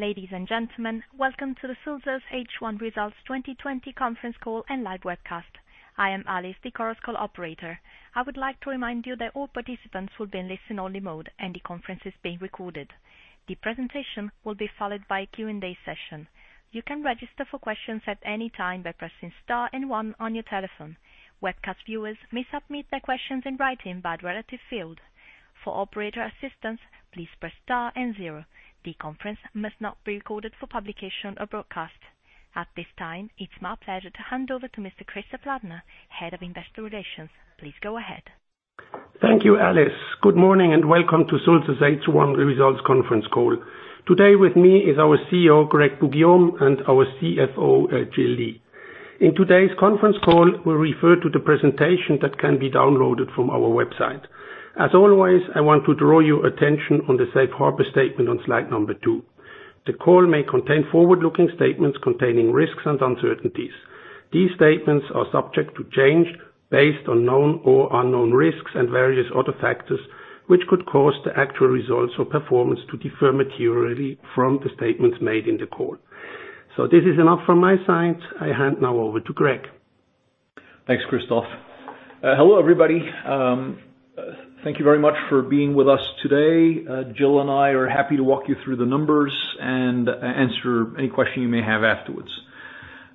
Ladies and gentlemen, welcome to the Sulzer's H1 Results 2020 conference call and live webcast. I am Alice, the conference call operator. I would like to remind you that all participants will be in listen-only mode and the conference is being recorded. The presentation will be followed by a Q&A session. You can register for questions at any time by pressing star and one on your telephone. Webcast viewers may submit their questions in writing by the relative field. For operator assistance, please press star and zero. The conference must not be recorded for publication or broadcast. At this time, it's my pleasure to hand over to Mr. Christoph Ladner, Head of Investor Relations. Please go ahead. Thank you, Alice. Good morning and welcome to Sulzer's H1 Results conference call. Today with me is our CEO, Greg Poux-Guillaume, and our CFO, Jill Lee. In today's conference call, we'll refer to the presentation that can be downloaded from our website. As always, I want to draw your attention on the safe harbor statement on slide number two. The call may contain forward-looking statements containing risks and uncertainties. These statements are subject to change based on known or unknown risks and various other factors, which could cause the actual results or performance to differ materially from the statements made in the call. This is enough from my side. I hand now over to Greg. Thanks, Christoph. Hello, everybody. Thank you very much for being with us today. Jill and I are happy to walk you through the numbers and answer any question you may have afterwards.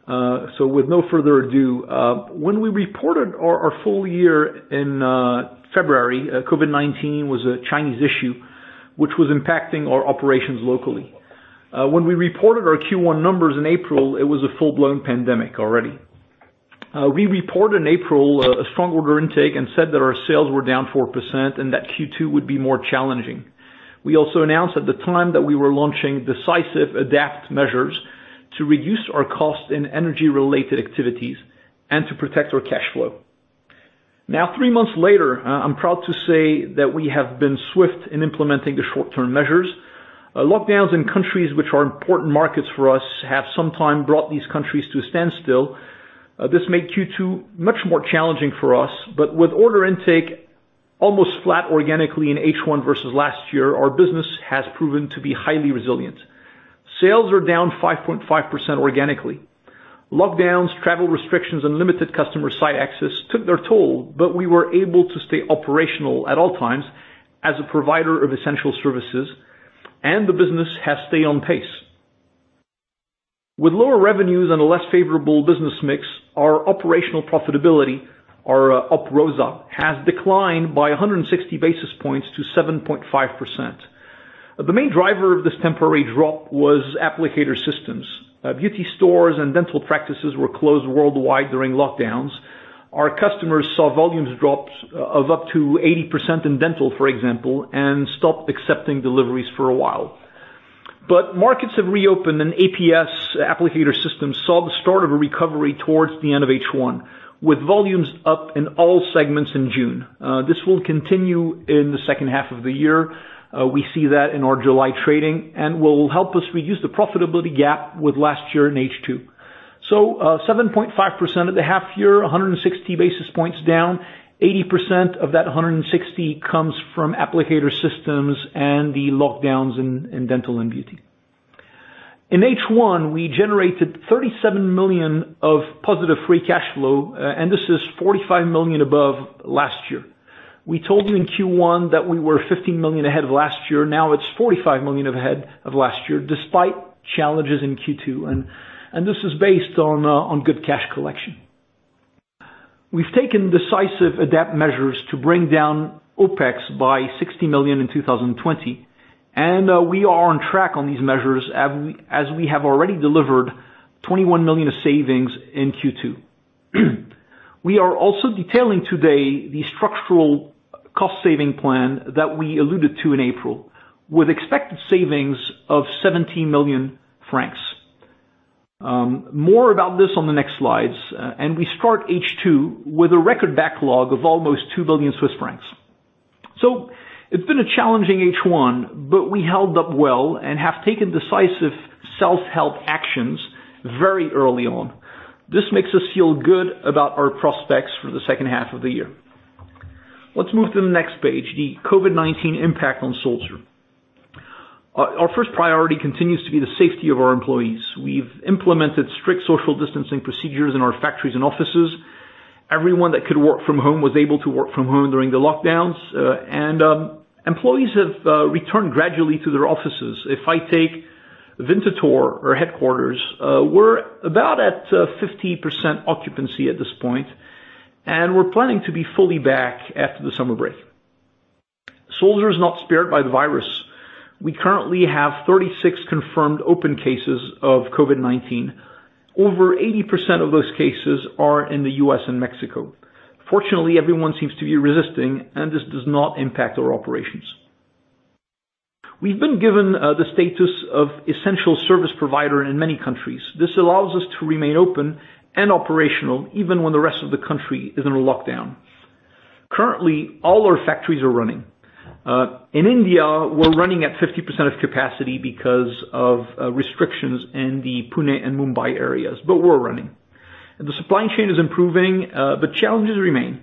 With no further ado, when we reported our full year in February, COVID-19 was a Chinese issue, which was impacting our operations locally. When we reported our Q1 numbers in April, it was a full-blown pandemic already. We reported in April a strong order intake and said that our sales were down 4% and that Q2 would be more challenging. We also announced at the time that we were launching decisive adapt measures to reduce our cost in energy-related activities and to protect our cash flow. Three months later, I'm proud to say that we have been swift in implementing the short-term measures. Lockdowns in countries which are important markets for us have sometimes brought these countries to a standstill. This made Q2 much more challenging for us, but with order intake almost flat organically in H1 versus last year, our business has proven to be highly resilient. Sales are down 5.5% organically. Lockdowns, travel restrictions, and limited customer site access took their toll, but we were able to stay operational at all times as a provider of essential services, and the business has stayed on pace. With lower revenues and a less favorable business mix, our operational profitability, our OpROSA, has declined by 160 basis points to 7.5%. The main driver of this temporary drop was Applicator Systems. Beauty stores and dental practices were closed worldwide during lockdowns. Our customers saw volumes drops of up to 80% in dental, for example, and stopped accepting deliveries for a while. Markets have reopened, and APS, Applicator Systems, saw the start of a recovery towards the end of H1, with volumes up in all segments in June. This will continue in the second half of the year. We see that in our July trading and will help us reduce the profitability gap with last year in H2. 7.5% at the half year, 160 basis points down, 80% of that 160 comes from Applicator Systems and the lockdowns in dental and beauty. In H1, we generated 37 million of positive free cash flow, and this is 45 million above last year. We told you in Q1 that we were 15 million ahead of last year. Now it's 45 million ahead of last year, despite challenges in Q2, and this is based on good cash collection. We've taken decisive adapt measures to bring down OpEx by 60 million in 2020. We are on track on these measures as we have already delivered 21 million of savings in Q2. We are also detailing today the structural cost-saving plan that we alluded to in April, with expected savings of 70 million francs. More about this on the next slides. We start H2 with a record backlog of almost 2 billion Swiss francs. It's been a challenging H1. We held up well and have taken decisive self-help actions very early on. This makes us feel good about our prospects for the second half of the year. Let's move to the next page, the COVID-19 impact on Sulzer. Our first priority continues to be the safety of our employees. We've implemented strict social distancing procedures in our factories and offices. Everyone that could work from home was able to work from home during the lockdowns, and employees have returned gradually to their offices. If I take Winterthur, our headquarters, we're about at 50% occupancy at this point, and we're planning to be fully back after the summer break. Sulzer is not spared by the virus. We currently have 36 confirmed open cases of COVID-19. Over 80% of those cases are in the U.S. and Mexico. Fortunately, everyone seems to be resisting, and this does not impact our operations. We've been given the status of essential service provider in many countries. This allows us to remain open and operational even when the rest of the country is in a lockdown. Currently, all our factories are running. In India, we're running at 50% of capacity because of restrictions in the Pune and Mumbai areas, but we're running. The supply chain is improving, but challenges remain.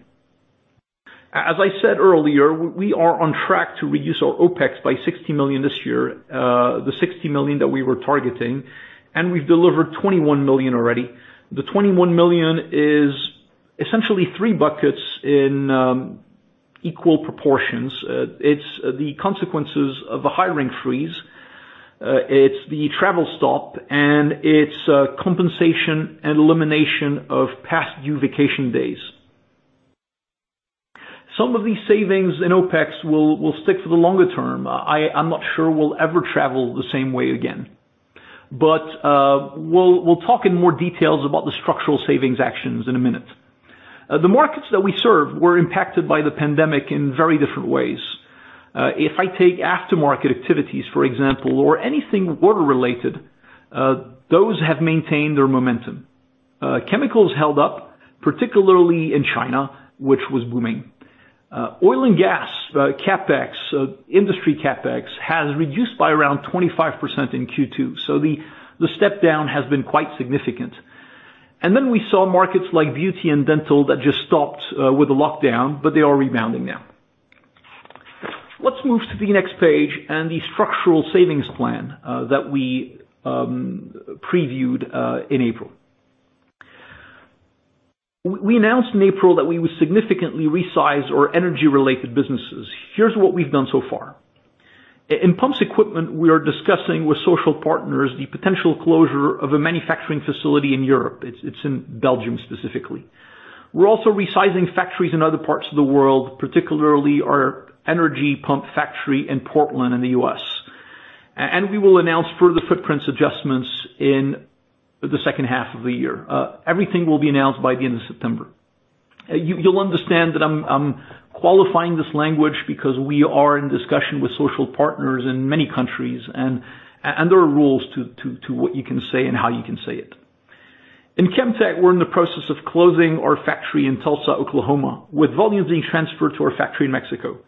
As I said earlier, we are on track to reduce our OpEx by 60 million this year, the 60 million that we were targeting, and we've delivered 21 million already. The 21 million is essentially three buckets in equal proportions. It's the consequences of a hiring freeze, it's the travel stop, and it's compensation and elimination of past due vacation days. Some of these savings in OpEx will stick for the longer term. I'm not sure we'll ever travel the same way again. We'll talk in more details about the structural savings actions in a minute. The markets that we serve were impacted by the pandemic in very different ways. If I take aftermarket activities, for example, or anything water related, those have maintained their momentum. Chemicals held up, particularly in China, which was booming. Oil and gas, CapEx, industry CapEx, has reduced by around 25% in Q2, so the step down has been quite significant. We saw markets like beauty and dental that just stopped with the lockdown, but they are rebounding now. Let's move to the next page and the structural savings plan that we previewed in April. We announced in April that we would significantly resize our energy-related businesses. Here's what we've done so far. In pumps equipment, we are discussing with social partners the potential closure of a manufacturing facility in Europe. It's in Belgium, specifically. We're also resizing factories in other parts of the world, particularly our energy pump factory in Portland, in the U.S. We will announce further footprints adjustments in the second half of the year. Everything will be announced by the end of September. You'll understand that I'm qualifying this language because we are in discussion with social partners in many countries, and there are rules to what you can say and how you can say it. In Chemtech, we're in the process of closing our factory in Tulsa, Oklahoma, with volumes being transferred to our factory in Mexico.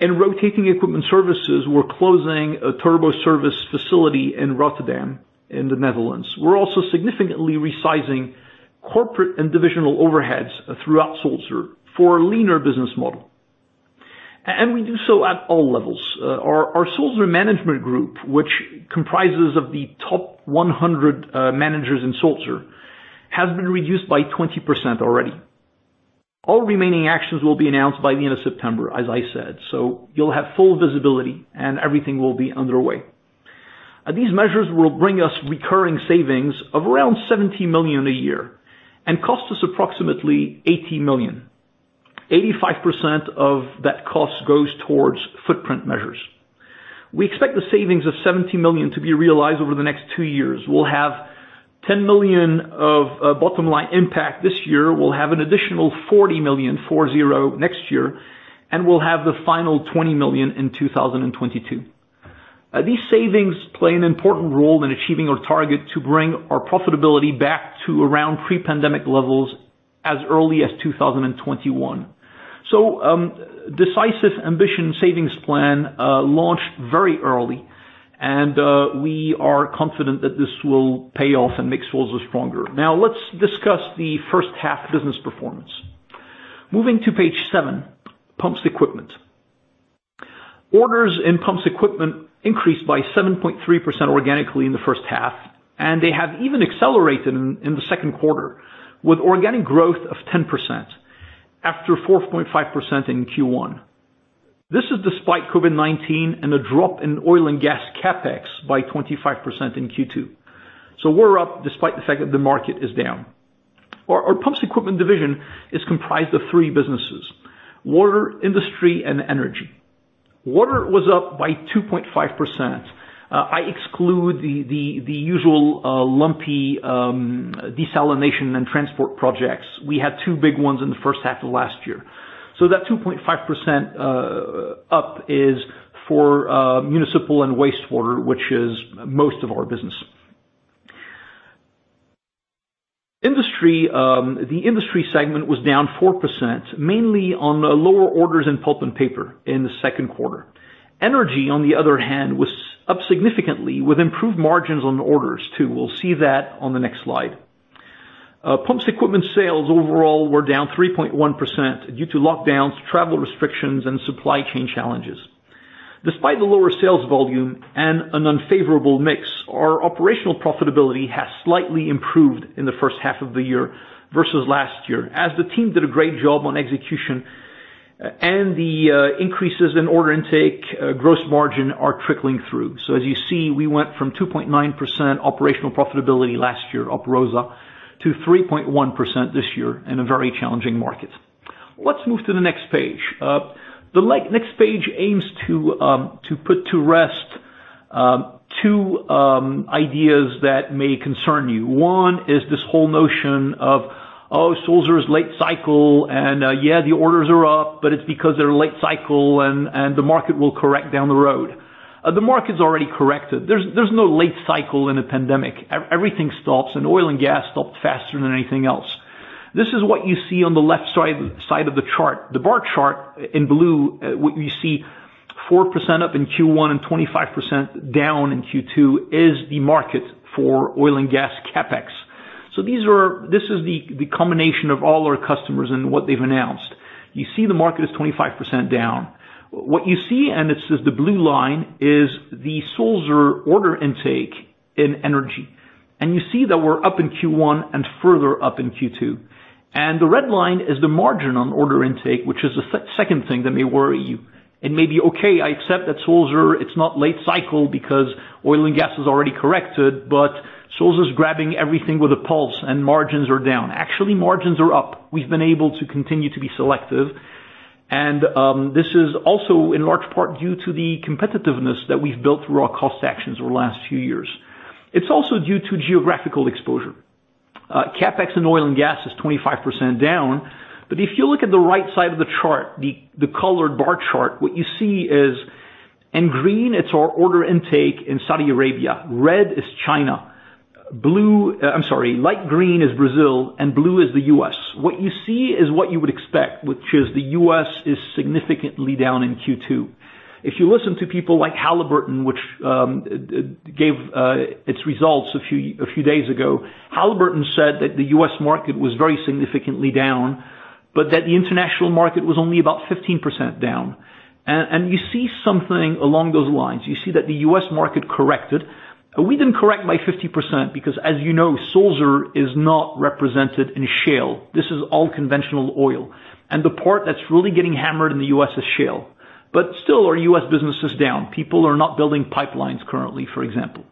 In Rotating Equipment Services, we're closing a turbo service facility in Rotterdam, in the Netherlands. We're also significantly resizing corporate and divisional overheads throughout Sulzer for a leaner business model. We do so at all levels. Our Sulzer management group, which comprises of the top 100 managers in Sulzer, has been reduced by 20% already. All remaining actions will be announced by the end of September, as I said. You'll have full visibility and everything will be underway. These measures will bring us recurring savings of around 70 million a year and cost us approximately 80 million. 85% of that cost goes towards footprint measures. We expect the savings of 70 million to be realized over the next two years. We'll have 10 million of bottom-line impact this year. We'll have an additional 40 million next year, and we'll have the final 20 million in 2022. These savings play an important role in achieving our target to bring our profitability back to around pre-pandemic levels as early as 2021. Decisive Ambition savings plan launched very early, and we are confident that this will pay off and make Sulzer stronger. Now let's discuss the first half business performance. Moving to page seven, pumps equipment. Orders in pumps equipment increased by 7.3% organically in the first half, and they have even accelerated in the second quarter, with organic growth of 10%, after 4.5% in Q1. This is despite COVID-19 and a drop in oil and gas CapEx by 25% in Q2. We're up despite the fact that the market is down. Our pumps equipment division is comprised of three businesses: water, industry, and energy. Water was up by 2.5%. I exclude the usual lumpy desalination and transport projects. We had two big ones in the first half of last year. That 2.5% up is for municipal and wastewater, which is most of our business. The industry segment was down 4%, mainly on lower orders in pulp and paper in the second quarter. Energy, on the other hand, was up significantly with improved margins on orders, too. We'll see that on the next slide. Pumps equipment sales overall were down 3.1% due to lockdowns, travel restrictions, and supply chain challenges. Despite the lower sales volume and an unfavorable mix, our operational profitability has slightly improved in the first half of the year versus last year, as the team did a great job on execution and the increases in order intake, gross margin are trickling through. As you see, we went from 2.9% operational profitability last year to 3.1% this year in a very challenging market. Let's move to the next page. The next page aims to put to rest two ideas that may concern you. One is this whole notion of, "Oh, Sulzer is late cycle, and yeah, the orders are up, but it's because they're late cycle and the market will correct down the road." The market's already corrected. There's no late cycle in a pandemic. Everything stops, and oil and gas stopped faster than anything else. This is what you see on the left side of the chart. The bar chart in blue, what you see, 4% up in Q1 and 25% down in Q2, is the market for oil and gas CapEx. This is the combination of all our customers and what they've announced. You see the market is 25% down. What you see, and it's the blue line, is the Sulzer order intake in energy. You see that we're up in Q1 and further up in Q2. The red line is the margin on order intake, which is the second thing that may worry you. It may be okay, I accept that Sulzer, it's not late cycle because oil and gas has already corrected, but Sulzer's grabbing everything with a pulse and margins are down. Actually, margins are up. We've been able to continue to be selective. This is also in large part due to the competitiveness that we've built through our cost actions over the last few years. It's also due to geographical exposure. CapEx in oil and gas is 25% down, but if you look at the right side of the chart, the colored bar chart, what you see is in green, it's our order intake in Saudi Arabia. Red is China. Light green is Brazil and blue is the U.S. What you see is what you would expect, which is the U.S. is significantly down in Q2. If you listen to people like Halliburton, which gave its results a few days ago, Halliburton said that the U.S. market was very significantly down, but that the international market was only about 15% down. You see something along those lines. You see that the U.S. market corrected. We didn't correct by 50% because, as you know, Sulzer is not represented in shale. This is all conventional oil. The part that's really getting hammered in the U.S. is shale. Still our U.S. business is down. People are not building pipelines currently, for example.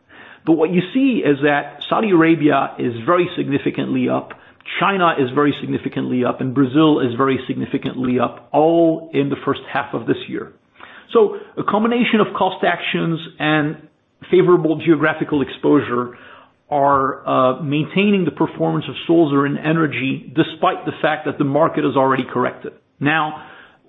What you see is that Saudi Arabia is very significantly up, China is very significantly up, and Brazil is very significantly up, all in the first half of this year. A combination of cost actions and favorable geographical exposure are maintaining the performance of Sulzer in energy, despite the fact that the market has already corrected.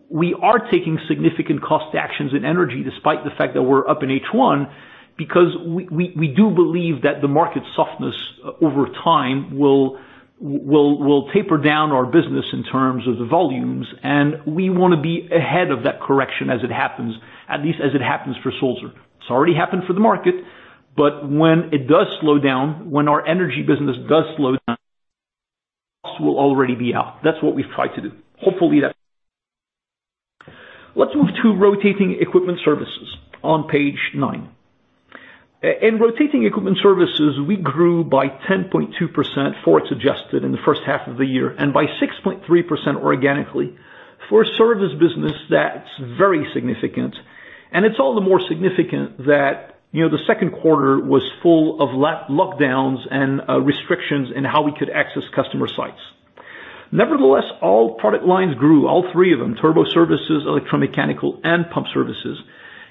We are taking significant cost actions in energy, despite the fact that we're up in H1, because we do believe that the market softness over time will taper down our business in terms of the volumes, and we want to be ahead of that correction as it happens, at least as it happens for Sulzer. It's already happened for the market, but when it does slow down, when our energy business does slow down, we'll already be out. That's what we've tried to do. Let's move to Rotating Equipment Services on page nine. In Rotating Equipment Services, we grew by 10.2% foreign adjusted in the first half of the year, and by 6.3% organically. For a service business, that's very significant, and it's all the more significant that the second quarter was full of lockdowns and restrictions in how we could access customer sites. Nevertheless, all three product lines grew: turbo services, electromechanical, and pump services.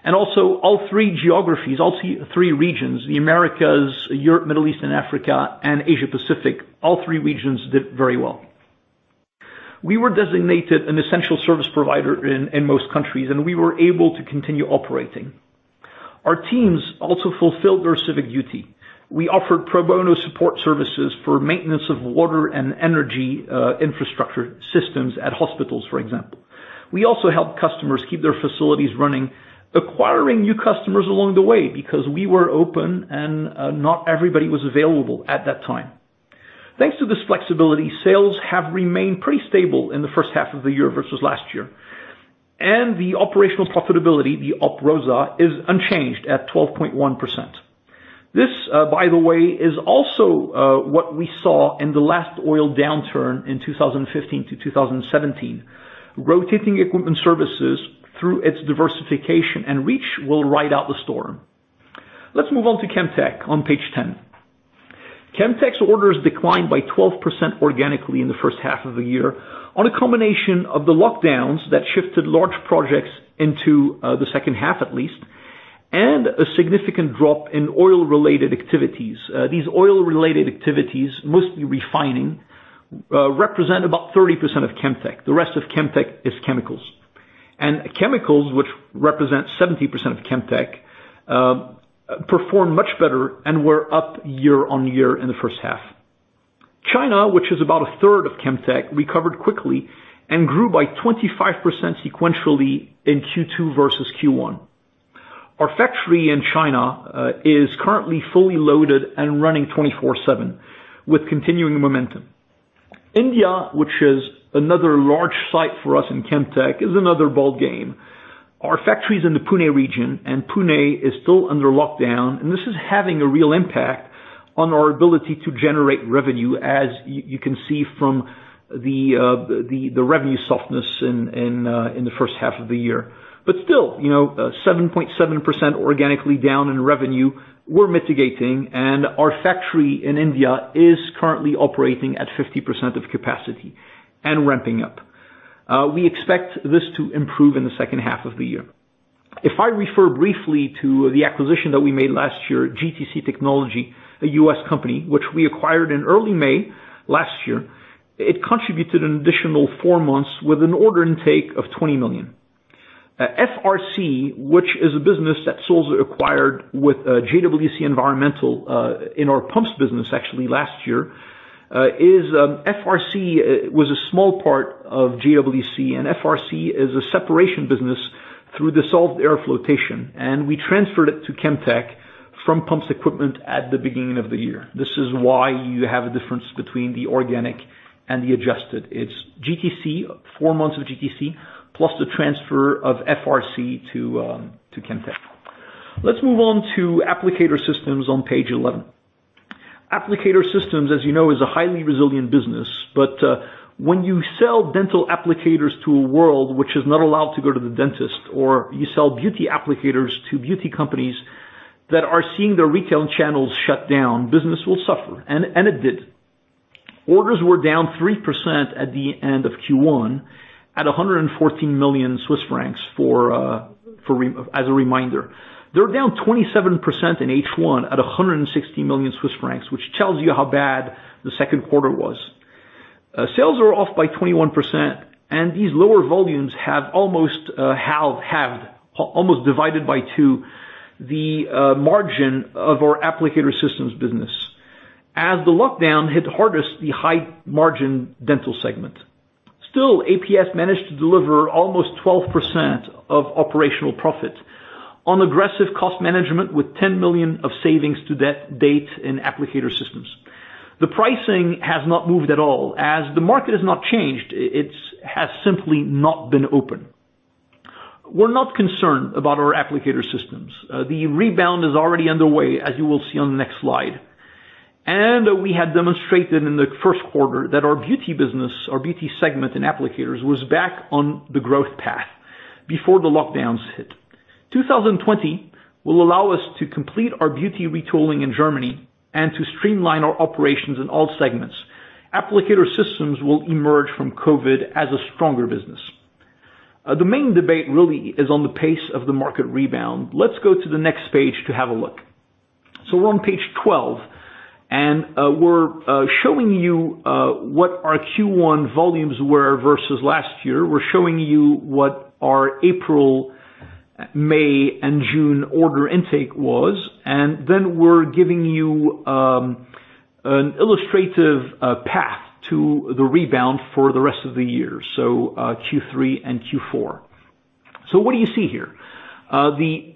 Also, all three geographies, all three regions, the Americas, Europe, Middle East, and Africa, and Asia Pacific, all three regions did very well. We were designated an essential service provider in most countries, and we were able to continue operating. Our teams also fulfilled their civic duty. We offered pro bono support services for maintenance of water and energy infrastructure systems at hospitals, for example. We also helped customers keep their facilities running, acquiring new customers along the way because we were open and not everybody was available at that time. Thanks to this flexibility, sales have remained pretty stable in the first half of the year versus last year. The operational profitability, the OpROSA, is unchanged at 12.1%. This, by the way, is also what we saw in the last oil downturn in 2015-2017. Rotating Equipment Services through its diversification and reach will ride out the storm. Let's move on to Chemtech on page 10. Chemtech's orders declined by 12% organically in the first half of the year on a combination of the lockdowns that shifted large projects into the second half at least, and a significant drop in oil-related activities. These oil-related activities, mostly refining, represent about 30% of Chemtech. The rest of Chemtech is chemicals. Chemicals, which represent 70% of Chemtech, performed much better and were up year-over-year in the first half. China, which is about a third of Chemtech, recovered quickly and grew by 25% sequentially in Q2 versus Q1. Our factory in China is currently fully loaded and running 24/7 with continuing momentum. India, which is another large site for us in Chemtech, is another ballgame. Our factory is in the Pune region, Pune is still under lockdown, and this is having a real impact on our ability to generate revenue, as you can see from the revenue softness in the first half of the year. Still, 7.7% organically down in revenue, we're mitigating, and our factory in India is currently operating at 50% of capacity and ramping up. We expect this to improve in the second half of the year. If I refer briefly to the acquisition that we made last year, GTC Technology, a U.S. company, which we acquired in early May last year, it contributed an additional four months with an order intake of 20 million. FRC, which is a business that Sulzer acquired with JWC Environmental in our pumps business actually last year, FRC was a small part of JWC, and FRC is a separation business through dissolved air flotation, and we transferred it to Chemtech from pumps equipment at the beginning of the year. This is why you have a difference between the organic and the adjusted. It is GTC, four months of GTC, plus the transfer of FRC to Chemtech. Let us move on to Applicator Systems on page 11. Applicator Systems, as you know, is a highly resilient business. When you sell dental applicators to a world which is not allowed to go to the dentist, or you sell beauty applicators to beauty companies that are seeing their retail channels shut down, business will suffer, and it did. Orders were down 3% at the end of Q1, at 114 million Swiss francs as a reminder. They're down 27% in H1 at 160 million Swiss francs, which tells you how bad the second quarter was. Sales are off by 21%, and these lower volumes have almost halved, almost divided by two, the margin of our Applicator Systems business, as the lockdown hit hardest the high margin dental segment. Still, APS managed to deliver almost 12% of operational profit on aggressive cost management with 10 million of savings to that date in Applicator Systems. The pricing has not moved at all. As the market has not changed, it has simply not been open. We're not concerned about our Applicator Systems. The rebound is already underway, as you will see on the next slide. We had demonstrated in the first quarter that our beauty business, our beauty segment in Applicator Systems, was back on the growth path before the lockdowns hit. 2020 will allow us to complete our beauty retooling in Germany and to streamline our operations in all segments. Applicator Systems will emerge from COVID as a stronger business. The main debate really is on the pace of the market rebound. Let's go to the next page to have a look. We're on page 12, and we're showing you what our Q1 volumes were versus last year. We're showing you what our April, May, and June order intake was, and then we're giving you an illustrative path to the rebound for the rest of the year, so Q3 and Q4. What do you see here? The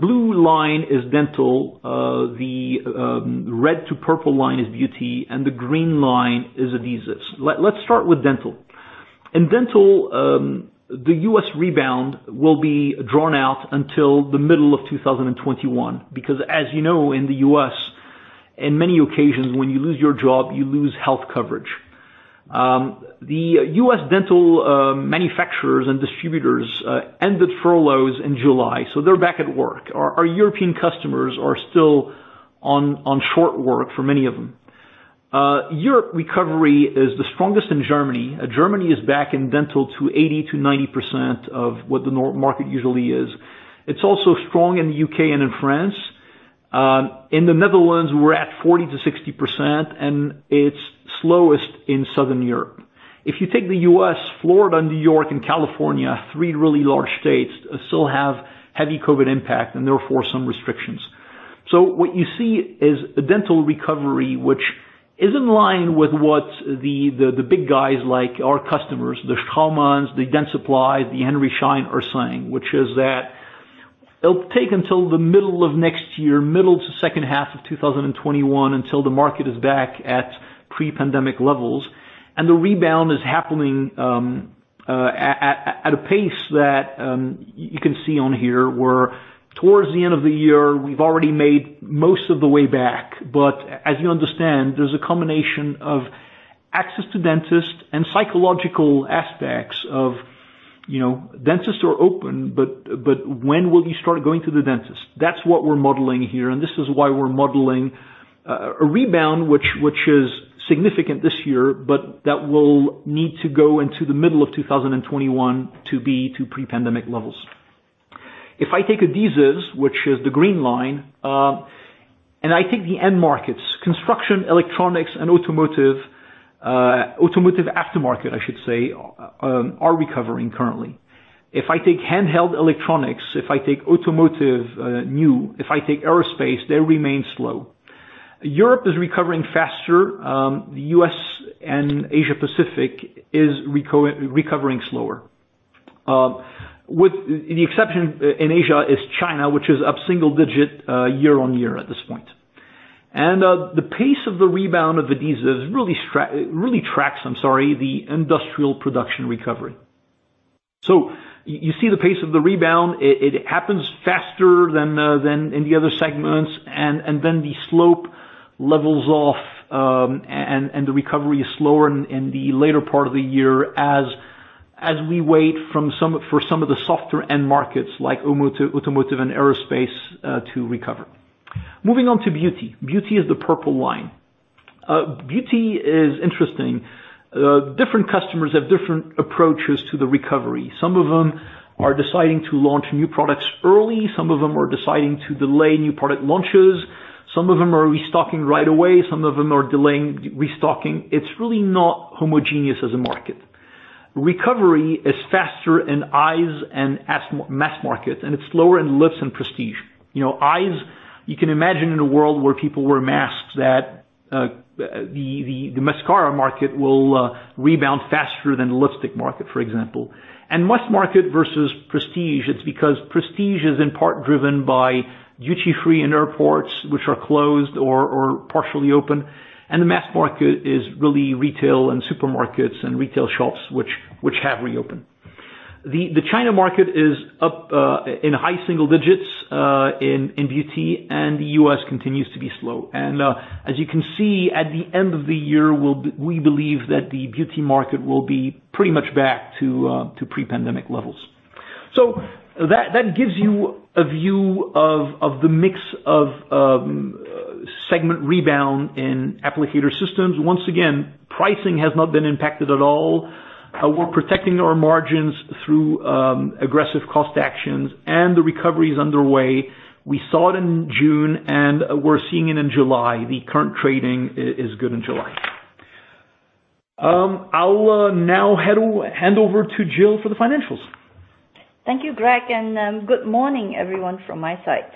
blue line is dental, the red to purple line is beauty, and the green line is adhesives. Let's start with dental. In dental, the U.S. rebound will be drawn out until the middle of 2021, because as you know, in the U.S., in many occasions, when you lose your job, you lose health coverage. The U.S. dental manufacturers and distributors ended furloughs in July, so they're back at work. Our European customers are still on short work for many of them. Europe recovery is the strongest in Germany. Germany is back in dental to 80%-90% of what the market usually is. It's also strong in the U.K. and in France. In the Netherlands, we're at 40%-60%, and it's slowest in Southern Europe. If you take the U.S., Florida, New York, and California, three really large states still have heavy COVID-19 impact and therefore some restrictions. What you see is a dental recovery which is in line with what the big guys like our customers, the Straumanns, the Dentsply Sirona, the Henry Schein are saying, which is that it'll take until the middle of next year, middle to second half of 2021, until the market is back at pre-pandemic levels. The rebound is happening at a pace that you can see on here, where towards the end of the year, we've already made most of the way back. As you understand, there's a combination of access to dentists and psychological aspects of dentists are open, but when will you start going to the dentist? That's what we're modeling here, and this is why we're modeling a rebound, which is significant this year, but that will need to go into the middle of 2021 to be to pre-pandemic levels. If I take adhesives, which is the green line, and I take the end markets, construction, electronics, and automotive. Automotive aftermarket, I should say, are recovering currently. If I take handheld electronics, if I take automotive new, if I take aerospace, they remain slow. Europe is recovering faster. The U.S. and Asia-Pacific is recovering slower. With the exception in Asia is China, which is up single digit year on year at this point. The pace of the rebound of adhesives really tracks the industrial production recovery. You see the pace of the rebound. It happens faster than in the other segments, and then the slope levels off, and the recovery is slower in the later part of the year as we wait for some of the softer end markets like automotive and aerospace to recover. Moving on to beauty. Beauty is the purple line. Beauty is interesting. Different customers have different approaches to the recovery. Some of them are deciding to launch new products early. Some of them are deciding to delay new product launches. Some of them are restocking right away. Some of them are delaying restocking. It's really not homogeneous as a market. Recovery is faster in eyes and mass market, and it's slower in lips and prestige. You can imagine in a world where people wear masks that the mascara market will rebound faster than the lipstick market, for example. Mass market versus prestige, it's because prestige is in part driven by duty-free and airports, which are closed or partially open, and the mass market is really retail and supermarkets and retail shops, which have reopened. The China market is up in high single digits in beauty. The U.S. continues to be slow. As you can see, at the end of the year, we believe that the beauty market will be pretty much back to pre-pandemic levels. That gives you a view of the mix of segment rebound in Applicator Systems. Once again, pricing has not been impacted at all. We're protecting our margins through aggressive cost actions, and the recovery is underway. We saw it in June, and we're seeing it in July. The current trading is good in July. I'll now hand over to Jill for the financials. Thank you, Greg, and good morning everyone from my side.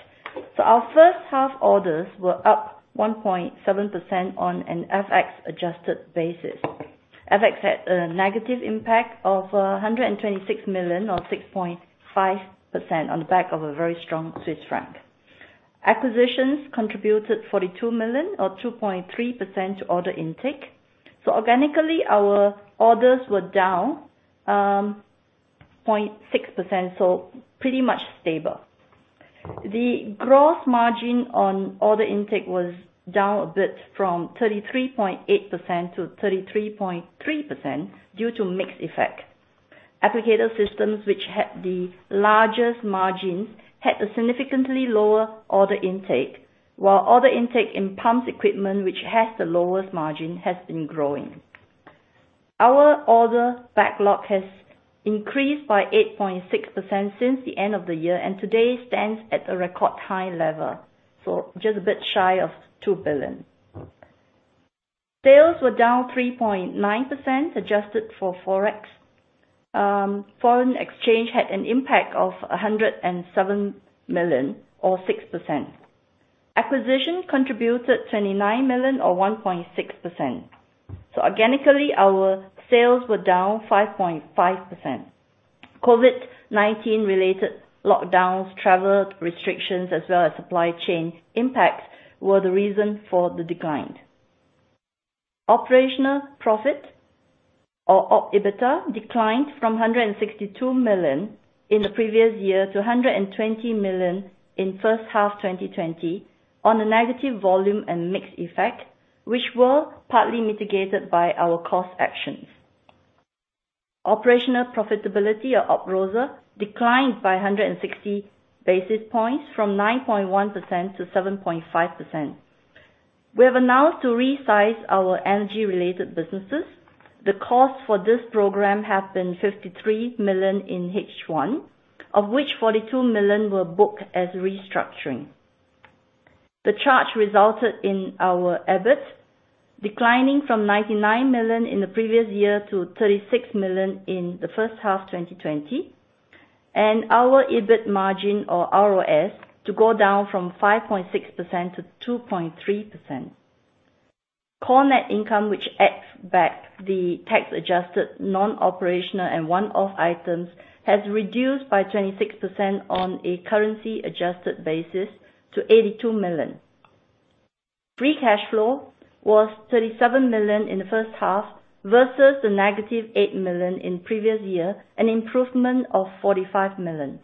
Our first half orders were up 1.7% on an FX-adjusted basis. FX had a negative impact of 126 million, or 6.5% on the back of a very strong Swiss franc. Acquisitions contributed 42 million or 2.3% to order intake. Organically, our orders were down 0.6%, so pretty much stable. The gross margin on order intake was down a bit from 33.8%-33.3% due to mix effect. Applicator Systems, which had the largest margins, had a significantly lower order intake, while order intake in Pumps Equipment, which has the lowest margin, has been growing. Our order backlog has increased by 8.6% since the end of the year, and today stands at a record high level. Just a bit shy of 2 billion. Sales were down 3.9%, adjusted for Forex. Foreign exchange had an impact of 107 million or 6%. Acquisition contributed 29 million or 1.6%. Organically, our sales were down 5.5%. COVID-19 related lockdowns, travel restrictions, as well as supply chain impacts were the reason for the decline. Operational profit or OpEBITDA declined from 162 million in the previous year to 120 million in first half 2020 on a negative volume and mix effect, which were partly mitigated by our cost actions. Operational profitability of OpROSA declined by 160 basis points from 9.1%-7.5%. We have announced to resize our energy-related businesses. The cost for this program has been 53 million in H1, of which 42 million were booked as restructuring. The charge resulted in our EBIT declining from 99 million in the previous year to 36 million in the first half 2020, and our EBIT margin or ROS to go down from 5.6%-2.3%. Core net income, which adds back the tax-adjusted, non-operational and one-off items, has reduced by 26% on a currency-adjusted basis to 82 million. Free cash flow was 37 million in the first half versus the negative 8 million in previous year, an improvement of 45 million.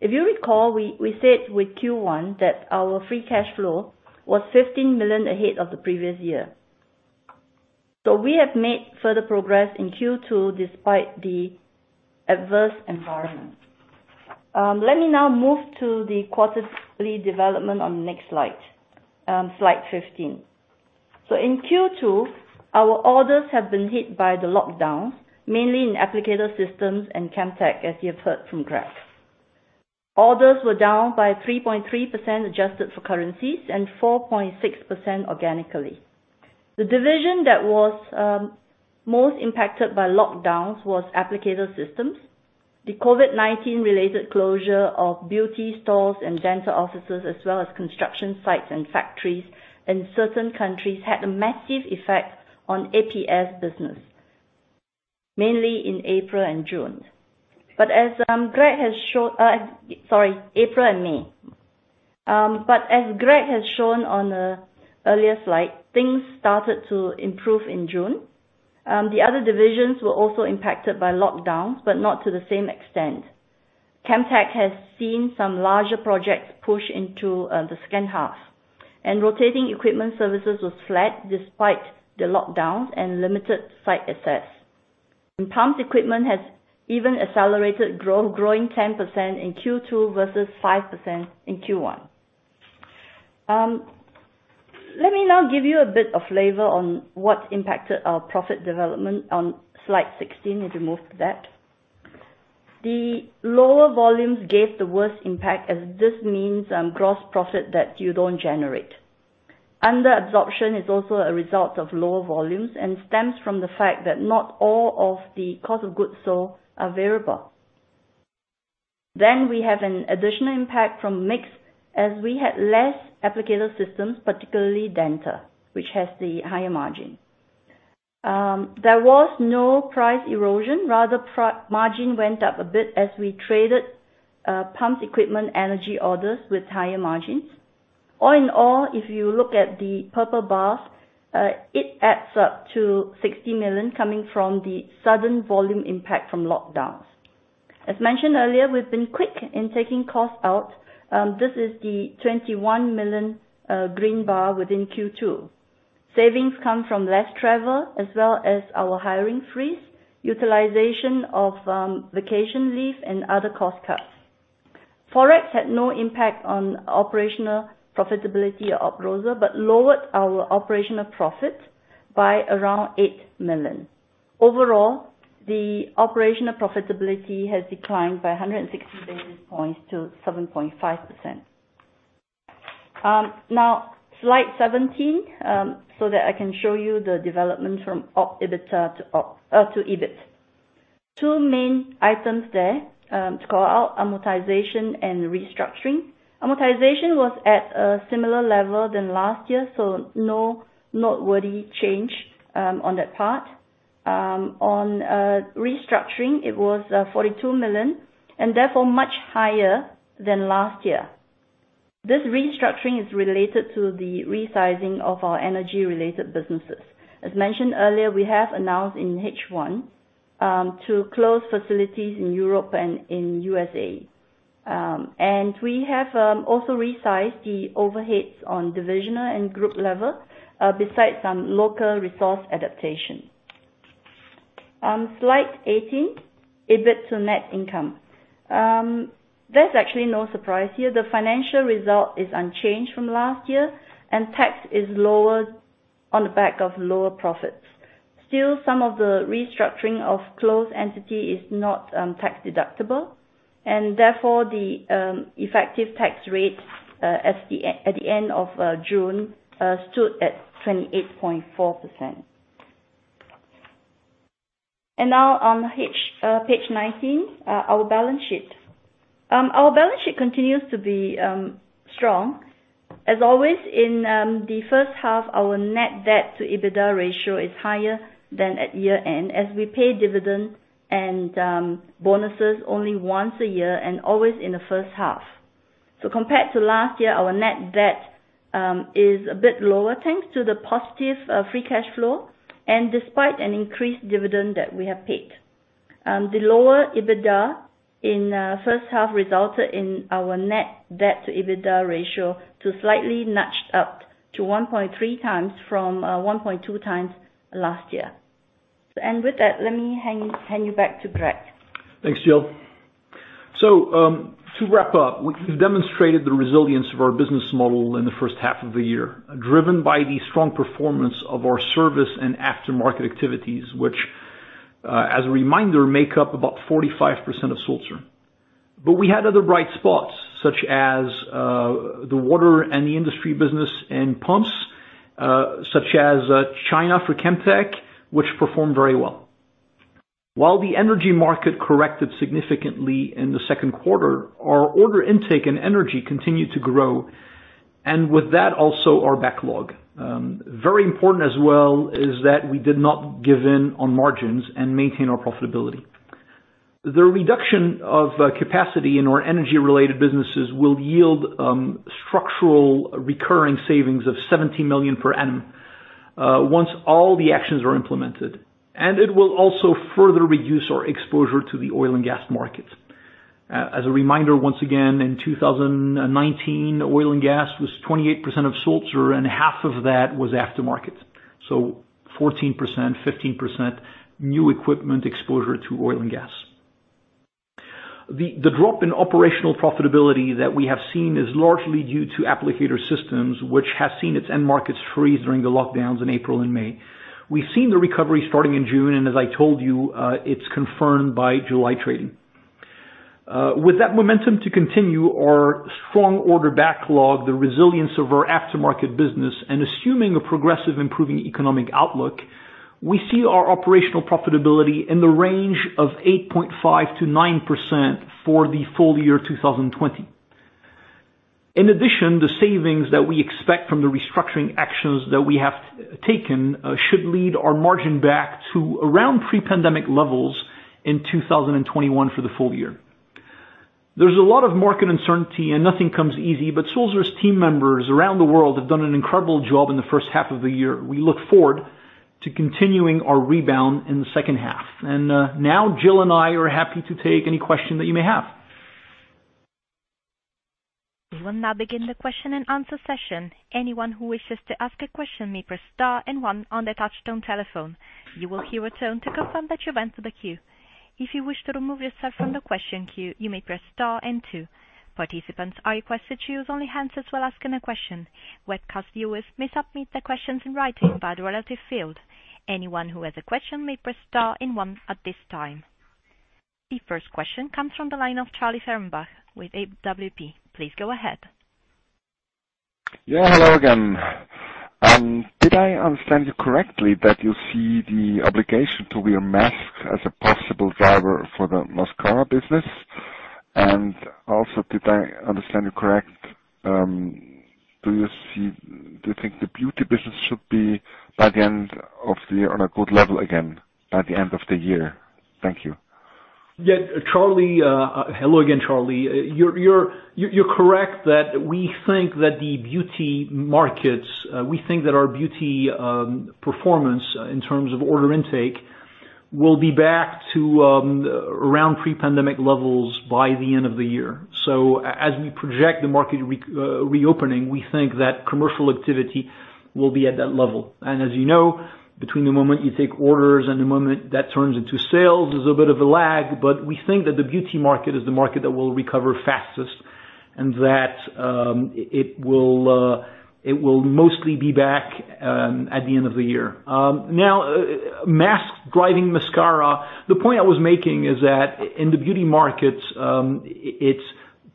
If you recall, we said with Q1 that our free cash flow was 15 million ahead of the previous year. We have made further progress in Q2 despite the adverse environment. Let me now move to the quarterly development on the next slide. Slide 15. In Q2, our orders have been hit by the lockdowns, mainly in Applicator Systems and Chemtech, as you have heard from Greg. Orders were down by 3.3% adjusted for currencies and 4.6% organically. The division that was most impacted by lockdowns was Applicator Systems. The COVID-19 related closure of beauty stores and dental offices as well as construction sites and factories in certain countries had a massive effect on APS business, mainly in April and June. But as Greg has shown-- sorry, April and May. As Greg has shown on the earlier slide, things started to improve in June. The other divisions were also impacted by lockdowns, but not to the same extent. Chemtech has seen some larger projects push into the second half. Rotating Equipment Services was flat despite the lockdowns and limited site access. Pumps equipment has even accelerated growth, growing 10% in Q2 versus 5% in Q1. Let me now give you a bit of flavor on what impacted our profit development on slide 16, if you move to that. The lower volumes gave the worst impact as this means gross profit that you don't generate. Under absorption is also a result of lower volumes and stems from the fact that not all of the cost of goods sold are variable. We have an additional impact from mix, as we had less Applicator Systems, particularly dental, which has the higher margin. There was no price erosion. Rather, margin went up a bit as we traded pumps equipment energy orders with higher margins. All in all, if you look at the purple bars, it adds up to 60 million coming from the sudden volume impact from lockdowns. As mentioned earlier, we've been quick in taking costs out. This is the 21 million green bar within Q2. Savings come from less travel as well as our hiring freeze, utilization of vacation leave, and other cost cuts. Forex had no impact on operational profitability or operating profit but lowered our operational profit by around 8 million. Overall, the operational profitability has declined by 160 basis points to 7.5%. Slide 17, so that I can show you the development from operating profit to EBIT. Two main items there to call out, amortization and restructuring. Amortization was at a similar level than last year, so no noteworthy change on that part. On restructuring, it was 42 million and therefore much higher than last year. This restructuring is related to the resizing of our energy-related businesses. As mentioned earlier, we have announced in H1 to close facilities in Europe and in U.S.A. We have also resized the overheads on divisional and group level, besides some local resource adaptation. Slide 18, EBIT to net income. There's actually no surprise here. The financial result is unchanged from last year, and tax is lower on the back of lower profits. Still, some of the restructuring of closed entity is not tax-deductible, therefore the effective tax rate at the end of June stood at 28.4%. Now on page 19, our balance sheet. Our balance sheet continues to be strong. As always, in the first half, our net debt to EBITDA ratio is higher than at year end as we pay dividend and bonuses only once a year and always in the first half. Compared to last year, our net debt is a bit lower, thanks to the positive free cash flow and despite an increased dividend that we have paid. The lower EBITDA in first half resulted in our net debt to EBITDA ratio to slightly nudged up to 1.3x from 1.2x last year. With that, let me hand you back to Greg. Thanks, Jill. To wrap up, we've demonstrated the resilience of our business model in the first half of the year, driven by the strong performance of our service and aftermarket activities, which, as a reminder, make up about 45% of Sulzer. We had other bright spots, such as the water and the industry business in pumps, such as China for Chemtech, which performed very well. While the energy market corrected significantly in the second quarter, our order intake and energy continued to grow, and with that also our backlog. Very important as well is that we did not give in on margins and maintain our profitability. The reduction of capacity in our energy-related businesses will yield structural recurring savings of 70 million per annum once all the actions are implemented, and it will also further reduce our exposure to the oil and gas market. As a reminder, once again, in 2019, oil and gas was 28% of Sulzer, and half of that was aftermarket. 14%, 15% new equipment exposure to oil and gas. The drop in operational profitability that we have seen is largely due to Applicator Systems, which has seen its end markets freeze during the lockdowns in April and May. We've seen the recovery starting in June, and as I told you, it's confirmed by July trading. With that momentum to continue our strong order backlog, the resilience of our aftermarket business, and assuming a progressive improving economic outlook, we see our operational profitability in the range of 8.5%-9% for the full year 2020. In addition, the savings that we expect from the restructuring actions that we have taken should lead our margin back to around pre-pandemic levels in 2021 for the full year. There's a lot of market uncertainty, and nothing comes easy, but Sulzer's team members around the world have done an incredible job in the first half of the year. We look forward to continuing our rebound in the second half. Now Jill and I are happy to take any question that you may have. We will now begin the question and answer session. Anyone who wishes to ask a question may press star and one on their touchtone telephone. You will hear a tone to confirm that you've entered the queue. If you wish to remove yourself from the question queue, you may press star and two. Participants are requested to use only hands as well asking a question. Webcast viewers may submit their questions in writing by the relative field. Anyone who has a question may press star and one at this time. The first question comes from the line of Charlie Fehrenbach with AWP. Please go ahead. Yeah. Hello again. Did I understand you correctly that you see the obligation to wear a mask as a possible driver for the mascara business? Also, did I understand you correctly, do you think the beauty business should be, by the end of the year, on a good level again by the end of the year? Thank you. Hello again, Charlie. You're correct that we think that the beauty markets, we think that our beauty performance in terms of order intake, will be back to around pre-pandemic levels by the end of the year. As we project the market reopening, we think that commercial activity will be at that level. As you know, between the moment you take orders and the moment that turns into sales is a bit of a lag, we think that the beauty market is the market that will recover fastest, and that it will mostly be back at the end of the year. Mask driving mascara. The point I was making is that in the beauty markets, its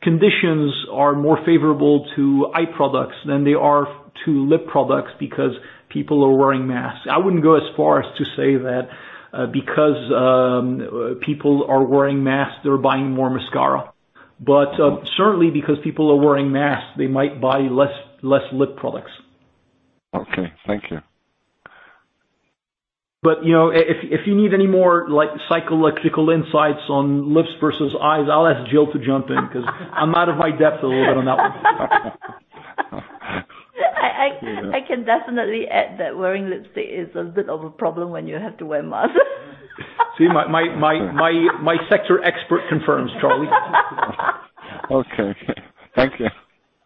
conditions are more favorable to eye products than they are to lip products because people are wearing masks. I wouldn't go as far as to say that because people are wearing masks, they're buying more mascara. Certainly, because people are wearing masks, they might buy less lip products. Okay. Thank you. If you need any more psychological insights on lips versus eyes, I'll ask Jill to jump in because I'm out of my depth a little bit on that one. I can definitely add that wearing lipstick is a bit of a problem when you have to wear a mask. My sector expert confirms, Charlie. Okay. Thank you.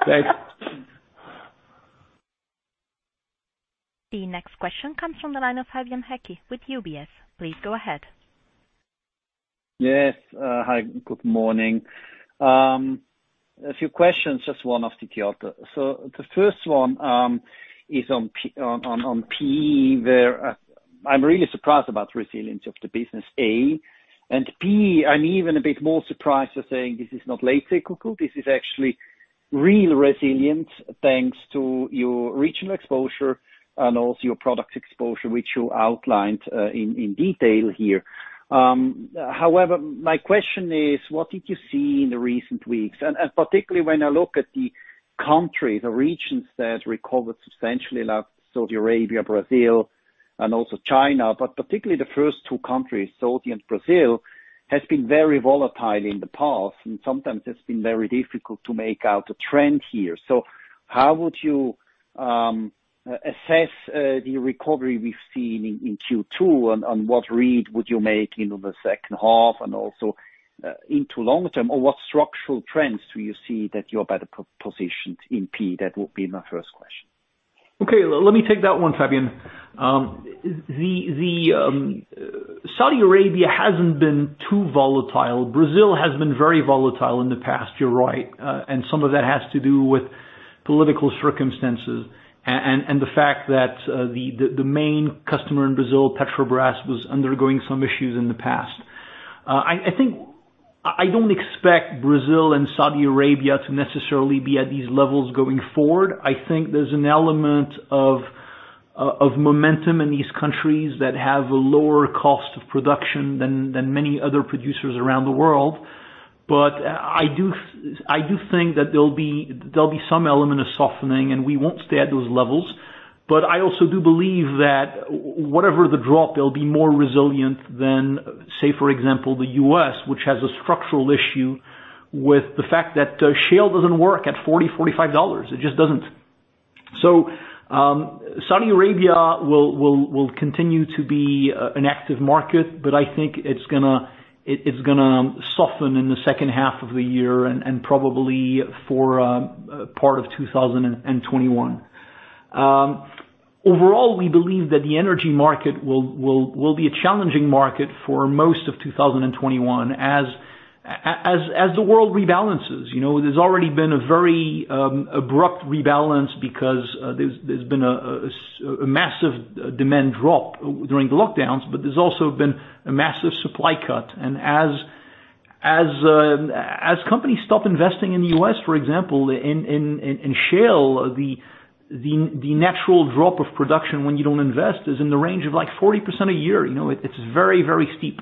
Thanks. The next question comes from the line of Fabian Häcki with UBS. Please go ahead. Yes. Hi, good morning. A few questions, just one off the top. The first one is on PE, where I'm really surprised about resilience of the business, A. B, I'm even a bit more surprised to say this is not late cycle. This is actually real resilience thanks to your regional exposure and also your product exposure, which you outlined in detail here. My question is, what did you see in the recent weeks? Particularly when I look at the country, the regions that recovered substantially like Saudi Arabia, Brazil, and also China, but particularly the first two countries, Saudi and Brazil, has been very volatile in the past, and sometimes it's been very difficult to make out a trend here. How would you assess the recovery we've seen in Q2, and what read would you make in the second half and also into long term, or what structural trends do you see that you're better positioned in P? That would be my first question. Okay. Let me take that one, Fabian. Saudi Arabia hasn't been too volatile. Brazil has been very volatile in the past, you're right, and some of that has to do with political circumstances and the fact that the main customer in Brazil, Petrobras, was undergoing some issues in the past. I don't expect Brazil and Saudi Arabia to necessarily be at these levels going forward. I think there's an element of momentum in these countries that have a lower cost of production than many other producers around the world. I do think that there'll be some element of softening, and we won't stay at those levels. I also do believe that whatever the drop, they'll be more resilient than, say, for example, the U.S., which has a structural issue with the fact that shale doesn't work at $40, $45. It just doesn't. Saudi Arabia will continue to be an active market, but I think it's going to soften in the second half of the year and probably for part of 2021. Overall, we believe that the energy market will be a challenging market for most of 2021 as the world rebalances. There's already been a very abrupt rebalance because there's been a massive demand drop during the lockdowns, but there's also been a massive supply cut. As companies stop investing in the U.S., for example, in shale, the natural drop of production when you don't invest is in the range of 40% a year. It's very, very steep.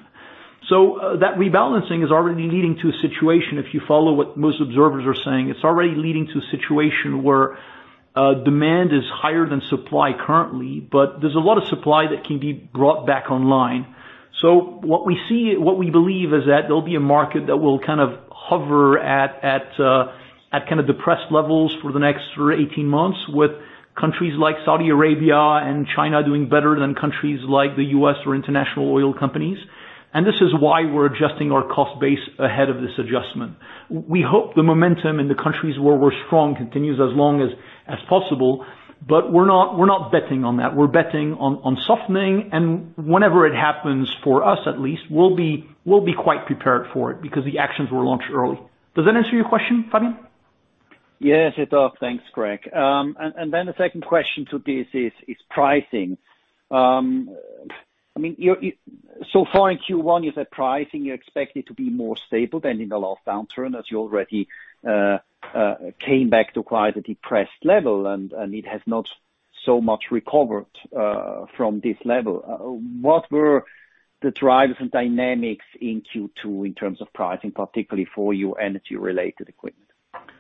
That rebalancing is already leading to a situation, if you follow what most observers are saying, it's already leading to a situation where demand is higher than supply currently, but there's a lot of supply that can be brought back online. What we believe is that there'll be a market that will kind of hover at depressed levels for the next 18 months with countries like Saudi Arabia and China doing better than countries like the U.S. or international oil companies. This is why we're adjusting our cost base ahead of this adjustment. We hope the momentum in the countries where we're strong continues as long as possible, but we're not betting on that. We're betting on softening, and whenever it happens for us at least, we'll be quite prepared for it because the actions were launched early. Does that answer your question, Fabian? Yes, it does. Thanks, Greg. The second question to this is pricing. So far in Q1, you said pricing, you expect it to be more stable than in the last downturn as you already came back to quite a depressed level, and it has not so much recovered from this level. What were the drivers and dynamics in Q2 in terms of pricing, particularly for your energy-related equipment?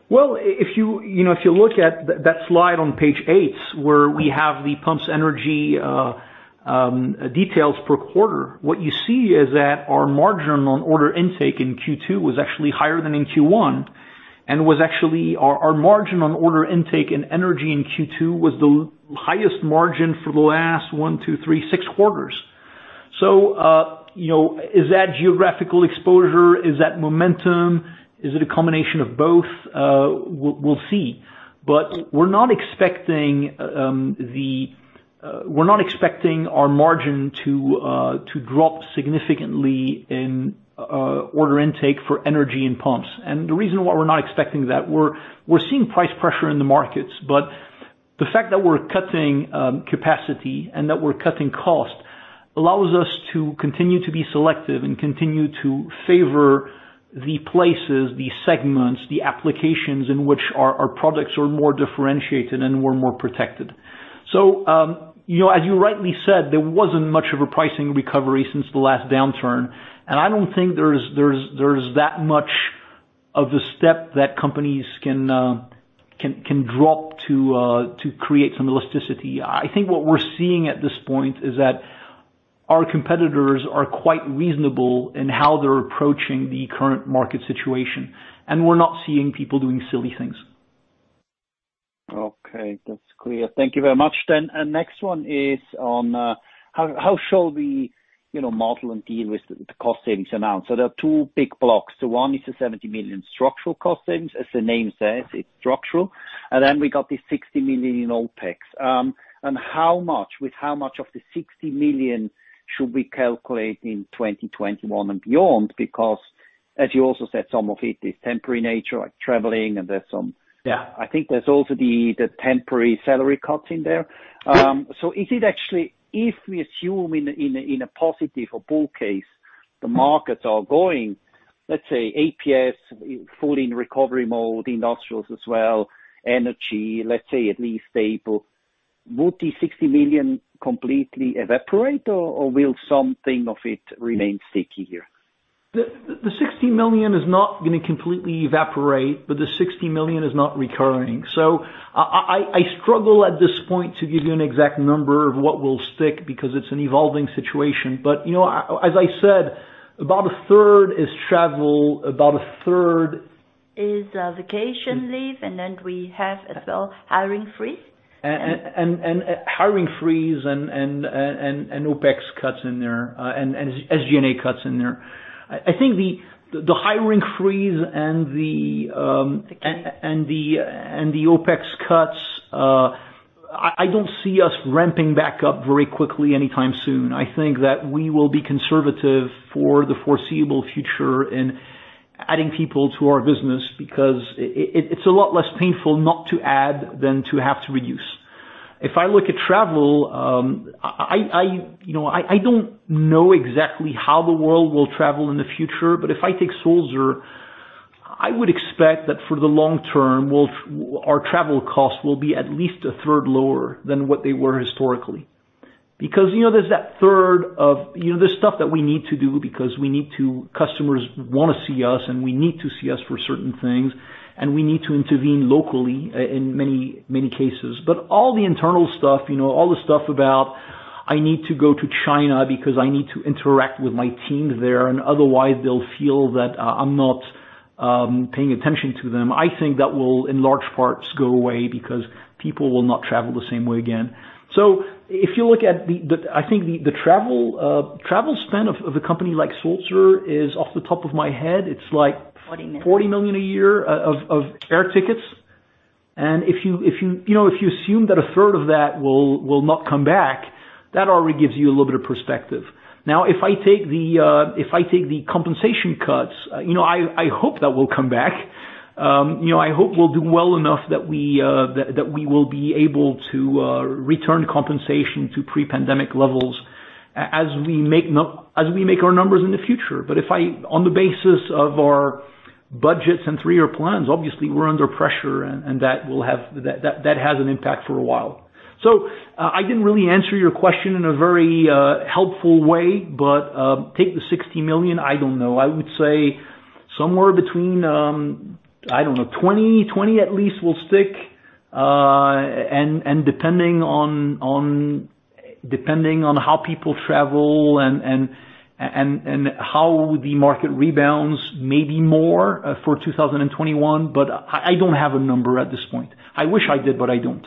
Well, if you look at that slide on page eight where we have the pumps energy details per quarter, what you see is that our margin on order intake in Q2 was actually higher than in Q1, and our margin on order intake in energy in Q2 was the highest margin for the last one, two, three, six quarters. Is that geographical exposure? Is that momentum? Is it a combination of both? We'll see. We're not expecting our margin to drop significantly in order intake for energy and pumps. The reason why we're not expecting that, we're seeing price pressure in the markets, but the fact that we're cutting capacity and that we're cutting cost allows us to continue to be selective and continue to favor the places, the segments, the applications in which our products are more differentiated and we're more protected. As you rightly said, there wasn't much of a pricing recovery since the last downturn, and I don't think there's that much of a step that companies can drop to create some elasticity. I think what we're seeing at this point is that our competitors are quite reasonable in how they're approaching the current market situation, and we're not seeing people doing silly things. Okay. That's clear. Thank you very much. Next one is on how shall we model and deal with the cost savings amount? There are two big blocks. One is the 70 million structural cost savings. As the name says, it's structural. Then we got the 60 million in OpEx. With how much of the 60 million should we calculate in 2021 and beyond? Because, as you also said, some of it is temporary nature, like traveling. Yeah I think there's also the temporary salary cuts in there. Is it actually, if we assume in a positive or bull case, the markets are going, let's say, APS fully in recovery mode, industrials as well, energy, let's say at least stable. Would the 60 million completely evaporate, or will something of it remain sticky here? The 60 million is not going to completely evaporate. The 60 million is not recurring. I struggle at this point to give you an exact number of what will stick because it's an evolving situation. As I said, about a third is travel, about a third. Is vacation leave, and then we have as well hiring freeze. Hiring freeze and OpEx cuts in there, and SG&A cuts in there. I think the hiring freeze and the OpEx cuts, I don't see us ramping back up very quickly anytime soon. I think that we will be conservative for the foreseeable future in adding people to our business because it's a lot less painful not to add than to have to reduce. If I look at travel, I don't know exactly how the world will travel in the future, but if I take Sulzer, I would expect that for the long term, our travel costs will be at least a third lower than what they were historically. There's that third of the stuff that we need to do because customers want to see us, and we need to see us for certain things, and we need to intervene locally, in many cases. All the internal stuff, all the stuff about, "I need to go to China because I need to interact with my teams there, and otherwise they'll feel that I'm not paying attention to them," I think that will, in large parts, go away because people will not travel the same way again. If you look at the, I think the travel spend of a company like Sulzer is, off the top of my head. 40 million. 40 million a year of air tickets. If you assume that a third of that will not come back, that already gives you a little bit of perspective. Now, if I take the compensation cuts, I hope that will come back. I hope we'll do well enough that we will be able to return compensation to pre-pandemic levels as we make our numbers in the future. On the basis of our budgets and three-year plans, obviously, we're under pressure, and that has an impact for a while. I didn't really answer your question in a very helpful way, but take the 60 million, I don't know. I would say somewhere between, I don't know, 20 at least will stick. Depending on how people travel and how the market rebounds, maybe more for 2021, but I don't have a number at this point. I wish I did, but I don't.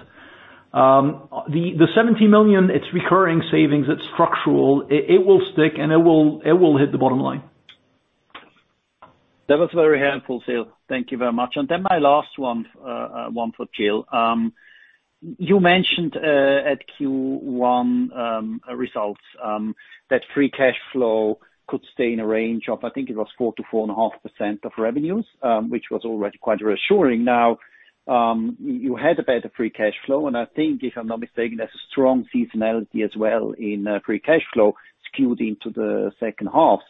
The 70 million, it's recurring savings, it's structural. It will stick, and it will hit the bottom line. That was very helpful, CEO. Thank you very much. My last one for Jill. You mentioned at Q1 results that free cash flow could stay in a range of, I think it was 4%-4.5% of revenues, which was already quite reassuring. Now, you had a better free cash flow. I think if I'm not mistaken, there's a strong seasonality as well in free cash flow skewed into the second half.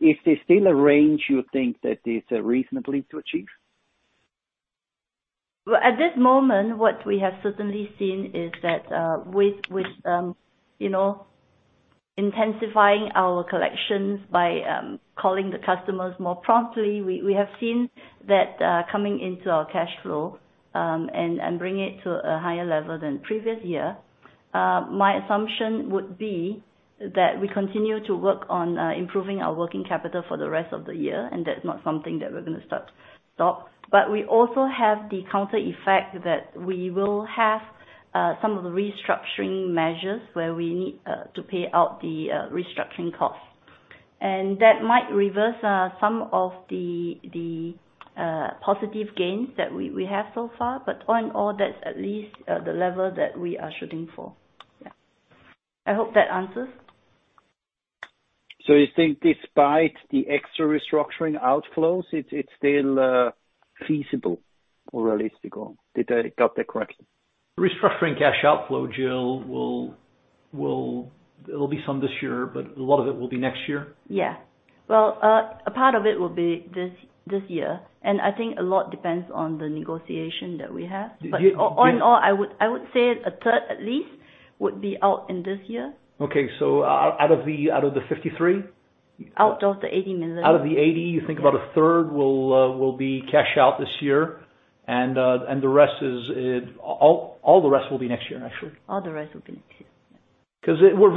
Is there still a range you think that is reasonably to achieve? At this moment, what we have certainly seen is that with intensifying our collections by calling the customers more promptly, we have seen that coming into our cash flow and bring it to a higher level than previous year. My assumption would be that we continue to work on improving our working capital for the rest of the year, that's not something that we're going to stop. We also have the counter effect that we will have some of the restructuring measures where we need to pay out the restructuring costs. That might reverse some of the positive gains that we have so far, all in all, that's at least the level that we are shooting for. Yeah. I hope that answers. You think despite the extra restructuring outflows, it's still feasible or realistic? Did I get that correct? Restructuring cash outflow, Jill, there'll be some this year, but a lot of it will be next year. Yeah. Well, a part of it will be this year, and I think a lot depends on the negotiation that we have. All in all, I would say a third at least would be out in this year. Okay. Out of the 53 million? Out of the 80 million. Out of the 80 million, you think about a third will be cash out this year, and all the rest will be next year actually. All the rest will be next year. We're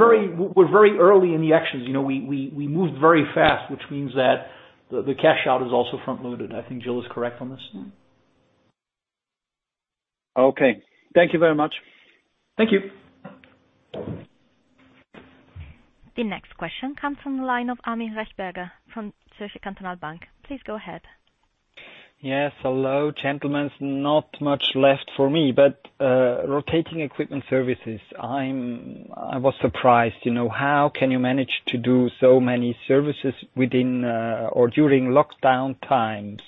very early in the actions. We moved very fast, which means that the cash out is also front-loaded. I think Jill is correct on this. Okay. Thank you very much. Thank you. The next question comes from the line of Armin Rechberger from Zürcher Kantonalbank. Please go ahead. Yes, hello, gentlemen. Not much left for me, but Rotating Equipment Services. I was surprised. How can you manage to do so many services within or during lockdown times?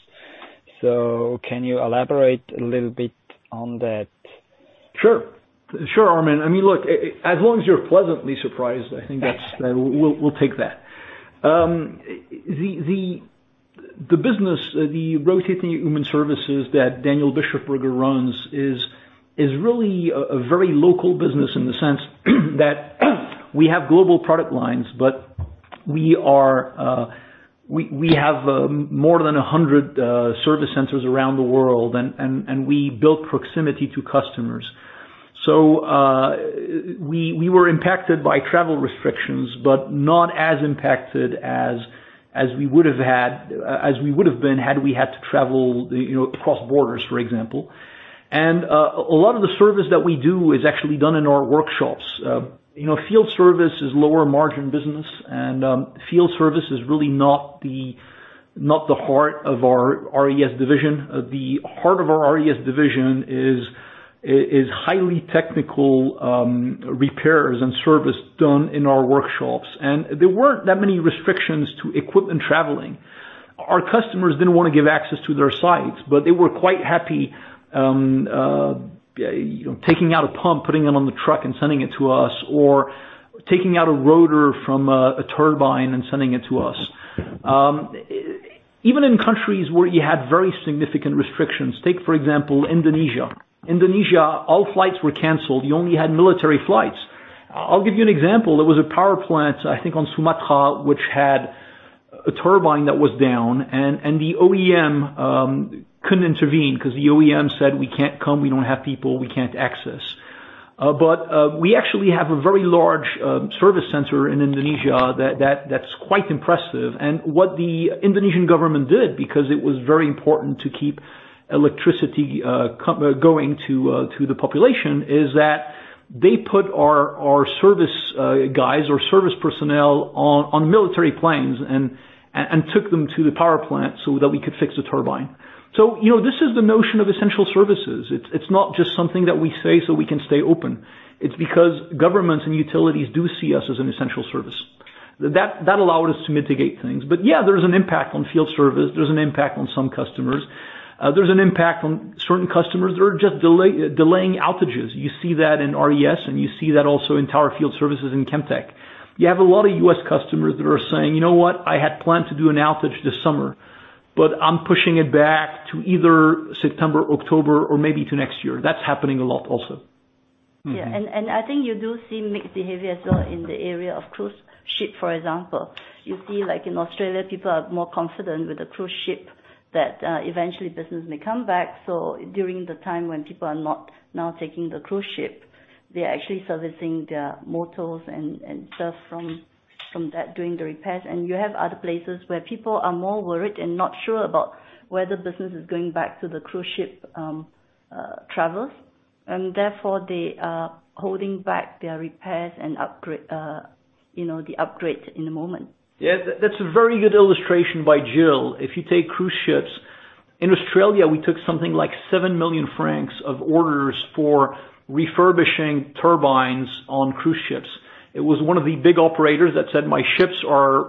Can you elaborate a little bit on that? Sure. Sure, Armin. Look, as long as you're pleasantly surprised, I think we'll take that. The business, the Rotating Equipment Services that Daniel Bischofberger runs is really a very local business in the sense that we have global product lines, but we have more than 100 service centers around the world, and we build proximity to customers. We were impacted by travel restrictions, but not as impacted as we would have been had we had to travel across borders, for example. A lot of the service that we do is actually done in our workshops. Field service is lower margin business, and field service is really not the heart of our RES division. The heart of our RES division is highly technical repairs and service done in our workshops. There weren't that many restrictions to equipment traveling. Our customers didn't want to give access to their sites, but they were quite happy taking out a pump, putting it on the truck and sending it to us, or taking out a rotor from a turbine and sending it to us. Even in countries where you had very significant restrictions. Take, for example, Indonesia. Indonesia, all flights were canceled, you only had military flights. I'll give you an example. There was a power plant, I think, on Sumatra, which had a turbine that was down and the OEM couldn't intervene because the OEM said, "We can't come. We don't have people. We can't access." We actually have a very large service center in Indonesia that's quite impressive. What the Indonesian government did, because it was very important to keep electricity going to the population, is that they put our service guys or service personnel on military planes and took them to the power plant so that we could fix the turbine. This is the notion of essential services. It's not just something that we say so we can stay open. It's because governments and utilities do see us as an essential service. That allowed us to mitigate things. Yeah, there's an impact on field service. There's an impact on some customers. There's an impact on certain customers that are just delaying outages. You see that in RES, and you see that also in Tower Field Services and Chemtech. You have a lot of U.S. customers that are saying, "You know what? I had planned to do an outage this summer, but I'm pushing it back to either September, October, or maybe to next year." That's happening a lot also. Yeah. I think you do see mixed behavior as well in the area of cruise ship, for example. You see in Australia, people are more confident with the cruise ship that eventually business may come back. During the time when people are not now taking the cruise ship, they are actually servicing their motors and stuff from that, doing the repairs. You have other places where people are more worried and not sure about whether business is going back to the cruise ship travels, and therefore they are holding back their repairs and the upgrade in the moment. Yeah, that's a very good illustration by Jill. If you take cruise ships, in Australia, we took something like 7 million francs of orders for refurbishing turbines on cruise ships. It was one of the big operators that said, "My ships are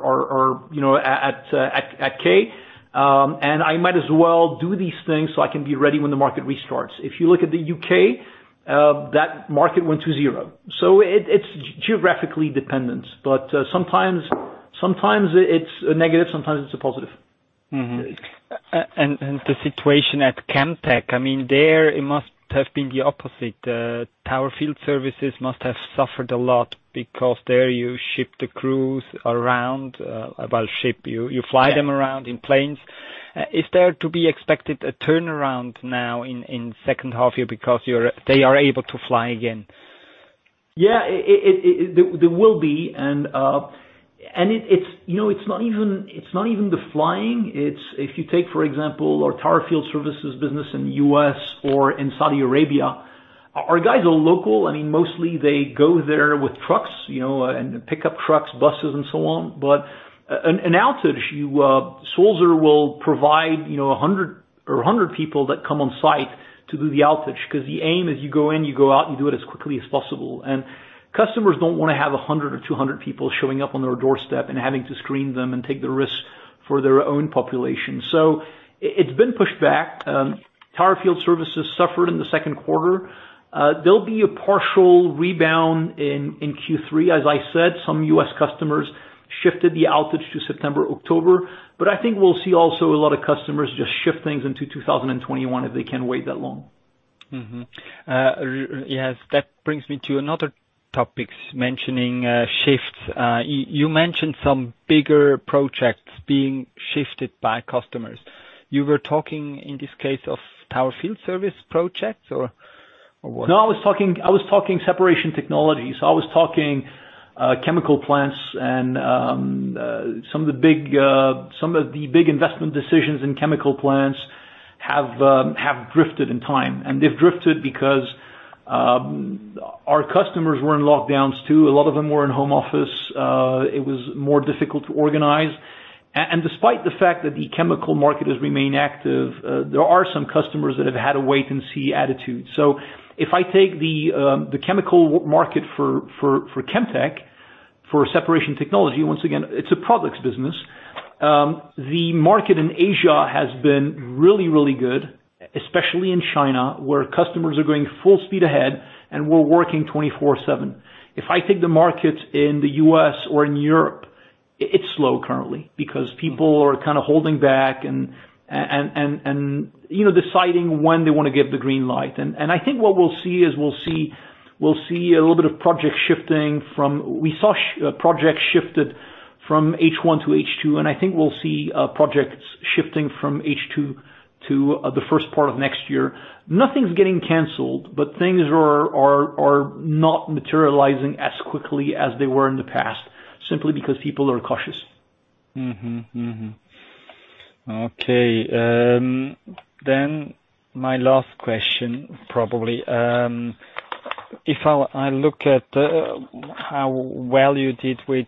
at quay, and I might as well do these things so I can be ready when the market restarts." If you look at the U.K. That market went to zero. It's geographically dependent, but sometimes it's a negative, sometimes it's a positive. The situation at Chemtech, there it must have been the opposite. Tower Field Services must have suffered a lot because there you fly them around in planes. Is there to be expected a turnaround now in second half year because they are able to fly again? Yeah. There will be. It's not even the flying. If you take, for example, our Tower Field Services business in U.S. or in Saudi Arabia, our guys are local. Mostly they go there with trucks, and pick up trucks, buses and so on. An outage, Sulzer will provide 100 people that come on site to do the outage. The aim is you go in, you go out, and you do it as quickly as possible. Customers don't want to have 100 or 200 people showing up on their doorstep and having to screen them and take the risk for their own population. It's been pushed back. Tower Field Services suffered in the second quarter. There'll be a partial rebound in Q3. As I said, some U.S. customers shifted the outage to September, October. I think we'll see also a lot of customers just shift things into 2021, if they can wait that long. Yes. That brings me to another topic, mentioning shifts. You mentioned some bigger projects being shifted by customers. You were talking in this case of Tower Field Services projects or what? No, I was talking separation technologies. I was talking chemical plants and some of the big investment decisions in chemical plants have drifted in time. They've drifted because our customers were in lockdowns too. A lot of them were in home office. It was more difficult to organize. Despite the fact that the chemical market has remained active, there are some customers that have had a wait and see attitude. If I take the chemical market for Chemtech, for separation technology, once again, it's a products business. The market in Asia has been really, really good, especially in China, where customers are going full speed ahead and we're working 24/7. If I take the market in the U.S. or in Europe, it's slow currently because people are kind of holding back and deciding when they want to give the green light. I think what we'll see is we'll see a little bit of project shifting. We saw projects shifted from H1 to H2, and I think we'll see projects shifting from H2 to the first part of next year. Nothing's getting canceled, but things are not materializing as quickly as they were in the past, simply because people are cautious. Okay. My last question, probably. If I look at how well you did with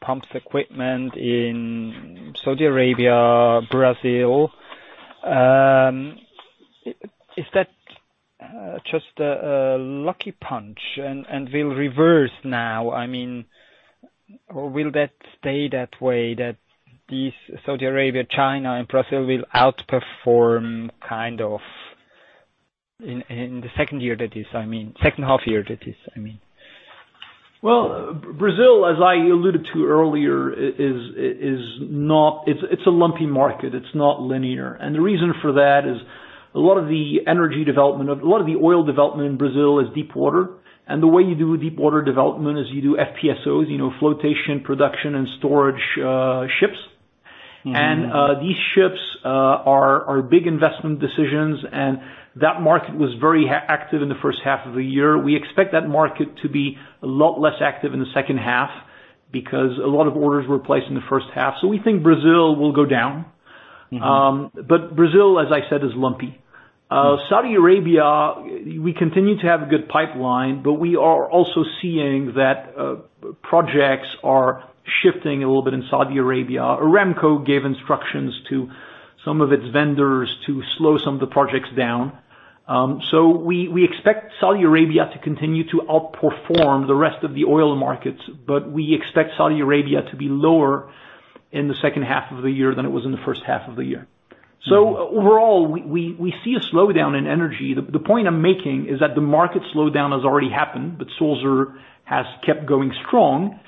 pumps equipment in Saudi Arabia, Brazil, is that just a lucky punch and will reverse now? Will that stay that way, that these Saudi Arabia, China and Brazil will outperform in the second half year that is? Well, Brazil, as I alluded to earlier, it is a lumpy market. It is not linear. The reason for that is a lot of the energy development, a lot of the oil development in Brazil is deep water. The way you do deep water development is you do FPSO, floatation production and storage ships. These ships are big investment decisions and that market was very active in the first half of the year. We expect that market to be a lot less active in the second half because a lot of orders were placed in the first half. We think Brazil will go down. Brazil, as I said, is lumpy. Saudi Arabia, we continue to have a good pipeline, but we are also seeing that projects are shifting a little bit in Saudi Arabia. Aramco gave instructions to some of its vendors to slow some of the projects down. We expect Saudi Arabia to continue to outperform the rest of the oil markets, but we expect Saudi Arabia to be lower in the second half of the year than it was in the first half of the year. Overall, we see a slowdown in energy. The point I'm making is that the market slowdown has already happened, but Sulzer has kept going strong.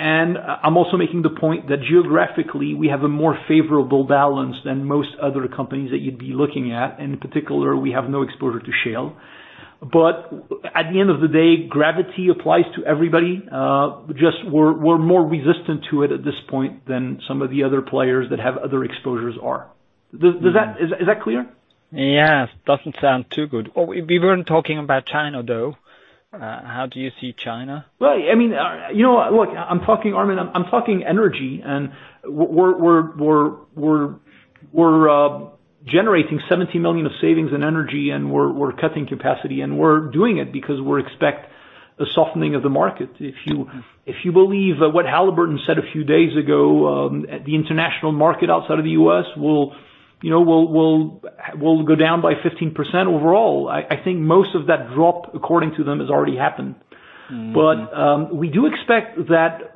I'm also making the point that geographically, we have a more favorable balance than most other companies that you'd be looking at. In particular, we have no exposure to shale. At the end of the day, gravity applies to everybody. Just we're more resistant to it at this point than some of the other players that have other exposures are. Is that clear? Yes. Doesn't sound too good. We weren't talking about China, though. How do you see China? Right. Look, Armin, I'm talking energy and we're generating 70 million of savings in energy and we're cutting capacity and we're doing it because we expect a softening of the market. If you believe what Halliburton said a few days ago, the international market outside of the U.S. will go down by 15% overall. I think most of that drop, according to them, has already happened. We don't expect that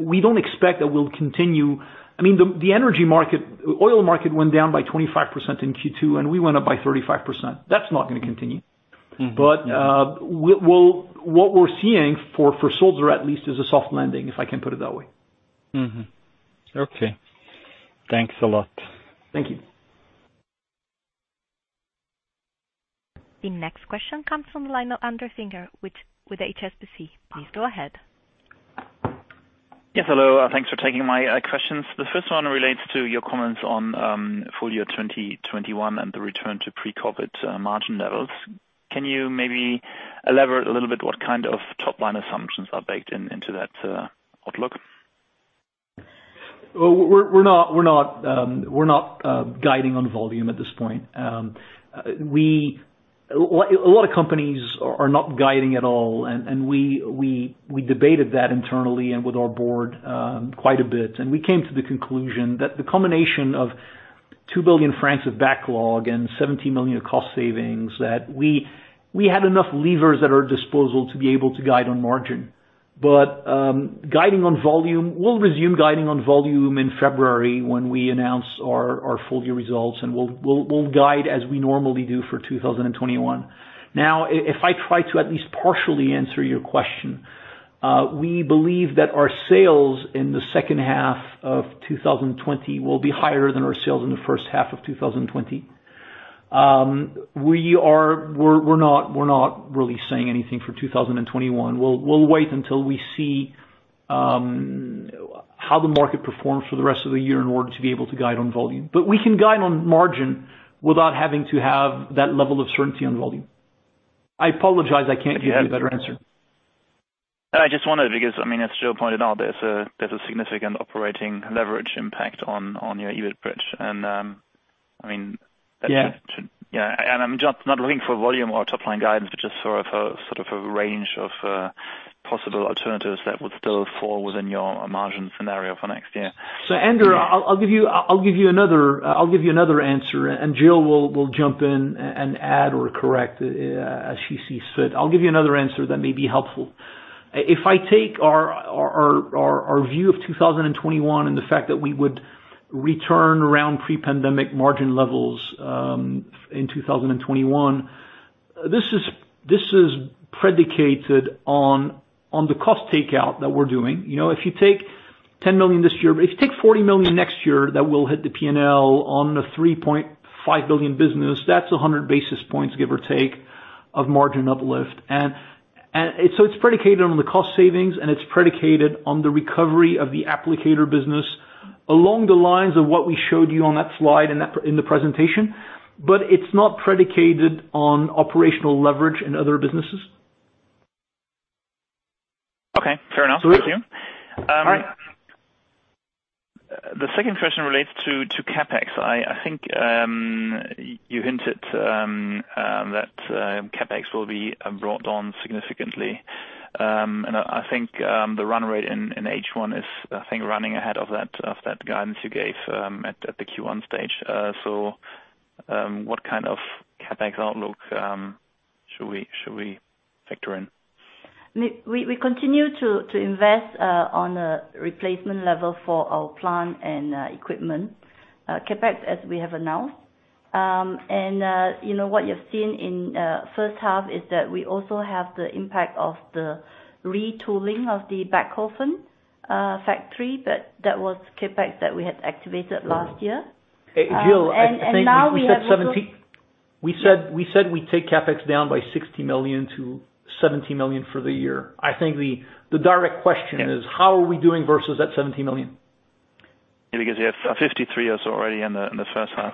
we'll continue. The oil market went down by 25% in Q2, and we went up by 35%. That's not going to continue. What we're seeing for Sulzer at least is a soft landing, if I can put it that way. Mm-hmm. Okay. Thanks a lot. Thank you. The next question comes from the line of André Finke with HSBC. Please go ahead. Yes, hello. Thanks for taking my questions. The first one relates to your comments on full year 2021 and the return to pre-COVID-19 margin levels. Can you maybe elaborate a little bit what kind of top-line assumptions are baked into that outlook? We're not guiding on volume at this point. A lot of companies are not guiding at all, we debated that internally and with our board quite a bit, and we came to the conclusion that the combination of 2 billion francs of backlog and 17 million of cost savings, that we had enough levers at our disposal to be able to guide on margin. We'll resume guiding on volume in February, when we announce our full-year results, and we'll guide as we normally do for 2021. If I try to at least partially answer your question, we believe that our sales in the second half of 2020 will be higher than our sales in the first half of 2020. We're not really saying anything for 2021. We'll wait until we see how the market performs for the rest of the year in order to be able to guide on volume. We can guide on margin without having to have that level of certainty on volume. I apologize I can't give you a better answer. I just wondered because, as Jill pointed out, there's a significant operating leverage impact on your EBIT bridge. Yeah. I'm just not looking for volume or top-line guidance, but just sort of a range of possible alternatives that would still fall within your margin scenario for next year. André, I'll give you another answer, and Jill will jump in and add or correct as she sees fit. I'll give you another answer that may be helpful. If I take our view of 2021 and the fact that we would return around pre-pandemic margin levels in 2021, this is predicated on the cost takeout that we're doing. If you take 40 million next year, that will hit the P&L on the 3.5 billion business. That's 100 basis points, give or take, of margin uplift. It's predicated on the cost savings, and it's predicated on the recovery of the applicator business along the lines of what we showed you on that slide in the presentation. It's not predicated on operational leverage in other businesses. Okay, fair enough. Thank you. All right. The second question relates to CapEx. I think you hinted that CapEx will be brought on significantly. I think the run rate in H1 is, I think, running ahead of that guidance you gave at the Q1 stage. What kind of CapEx outlook should we factor in? We continue to invest on a replacement level for our plant and equipment CapEx, as we have announced. What you've seen in first half is that we also have the impact of the retooling of the Bechhofen factory, but that was CapEx that we had activated last year. Jill, I think we said 17. We said we take CapEx down by 60 million-70 million for the year. I think the direct question is how are we doing versus that 70 million? Yeah, 53 is already in the first half.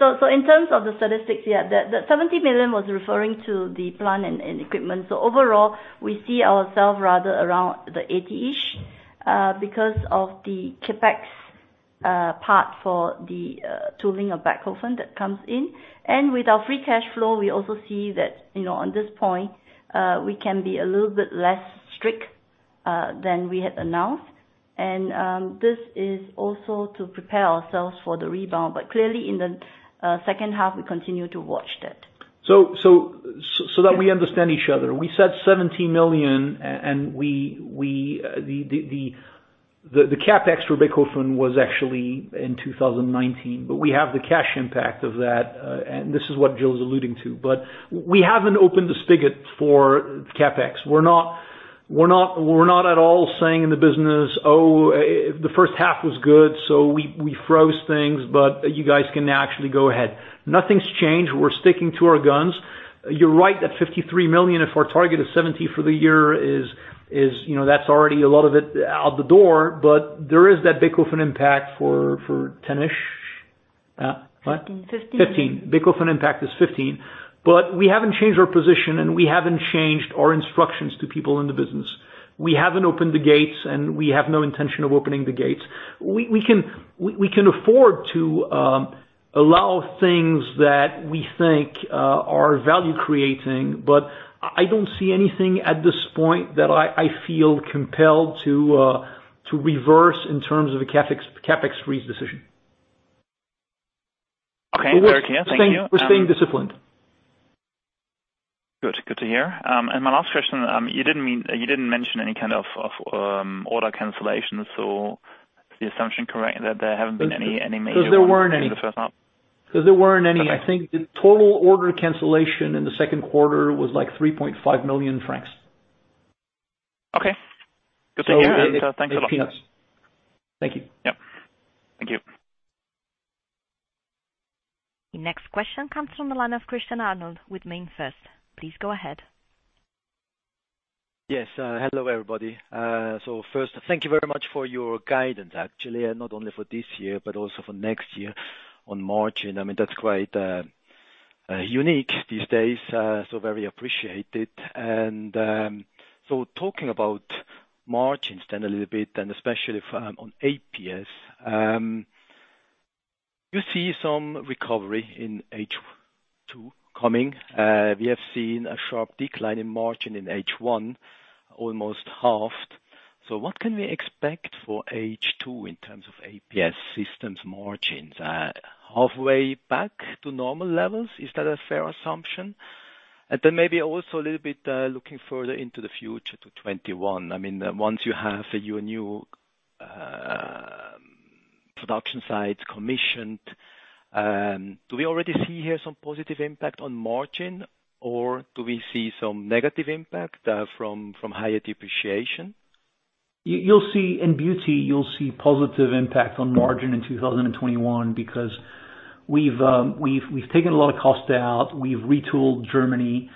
In terms of the statistics. The 70 million was referring to the plant and equipment. Overall, we see ourself rather around the 80-ish, because of the CapEx part for the tooling of Bechhofen that comes in. With our free cash flow, we also see that on this point, we can be a little bit less strict than we had announced. This is also to prepare ourselves for the rebound. Clearly in the second half, we continue to watch that. That we understand each other, we said 70 million, and the CapEx for Bechhofen was actually in 2019, but we have the cash impact of that. This is what Jill's alluding to. We haven't opened the spigot for CapEx. We're not at all saying in the business, "Oh, the first half was good, so we froze things, but you guys can actually go ahead." Nothing's changed. We're sticking to our guns. You're right, that 53 million, if our target is 70 for the year, that's already a lot of it out the door. There is that Bechhofen impact for CHF 10-ish. What? 15. 15. Bechhofen impact is 15. We haven't changed our position, and we haven't changed our instructions to people in the business. We haven't opened the gates, and we have no intention of opening the gates. We can afford to allow things that we think are value-creating, but I don't see anything at this point that I feel compelled to reverse in terms of a CapEx freeze decision. Okay, we're here. Thank you. We're staying disciplined. Good to hear. My last question, you didn't mention any kind of order cancellations, so is the assumption correct that there haven't been any major ones? There weren't any. In the first half? There weren't any. Okay. I think the total order cancellation in the second quarter was like 3.5 million francs. Okay. Good to hear. It's peanuts. Thanks a lot. Thank you. Yep. Thank you. The next question comes from the line of Christian Arnold with MainFirst. Please go ahead. Yes. Hello, everybody. First, thank you very much for your guidance, actually, not only for this year, but also for next year on margin. That's quite unique these days, very appreciated. Talking about margins then a little bit, and especially from on APS. Do you see some recovery in H2 coming? We have seen a sharp decline in margin in H1, almost halved. What can we expect for H2 in terms of APS systems margins? Halfway back to normal levels? Is that a fair assumption? Maybe also a little bit, looking further into the future to 2021. Once you have your new production sites commissioned, do we already see here some positive impact on margin or do we see some negative impact from higher depreciation? You'll see in beauty, you'll see positive impact on margin in 2021 because we've taken a lot of cost out. We've retooled Germany.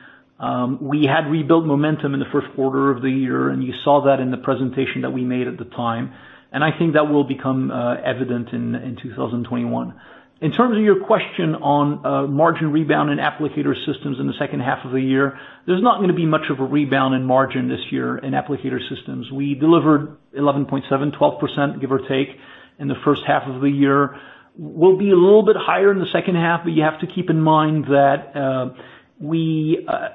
We had rebuilt momentum in the first quarter of the year, and you saw that in the presentation that we made at the time. I think that will become evident in 2021. In terms of your question on margin rebound and Applicator Systems in the second half of the year, there's not going to be much of a rebound in margin this year in Applicator Systems. We delivered 11.7, 12%, give or take, in the first half of the year. We'll be a little bit higher in the second half, but you have to keep in mind that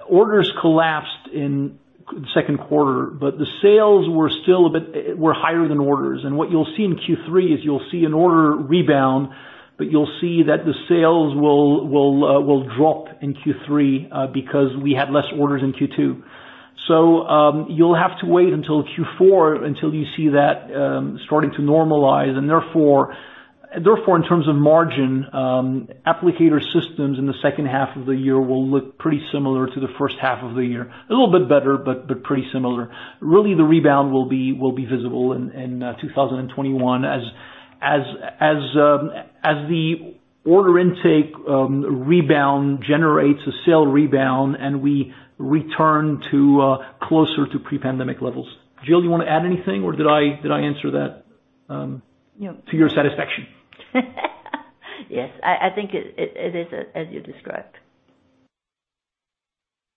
orders collapsed in the second quarter, but the sales were higher than orders. What you'll see in Q3 is you'll see an order rebound, but you'll see that the sales will drop in Q3 because we had less orders in Q2. You'll have to wait until Q4 until you see that starting to normalize, and therefore in terms of margin, Applicator Systems in the second half of the year will look pretty similar to the first half of the year, a little bit better, but pretty similar. Really, the rebound will be visible in 2021 as the order intake rebound generates a sale rebound and we return closer to pre-pandemic levels. Jill, you want to add anything or did I answer that? Yeah. To your satisfaction? Yes. I think it is as you described.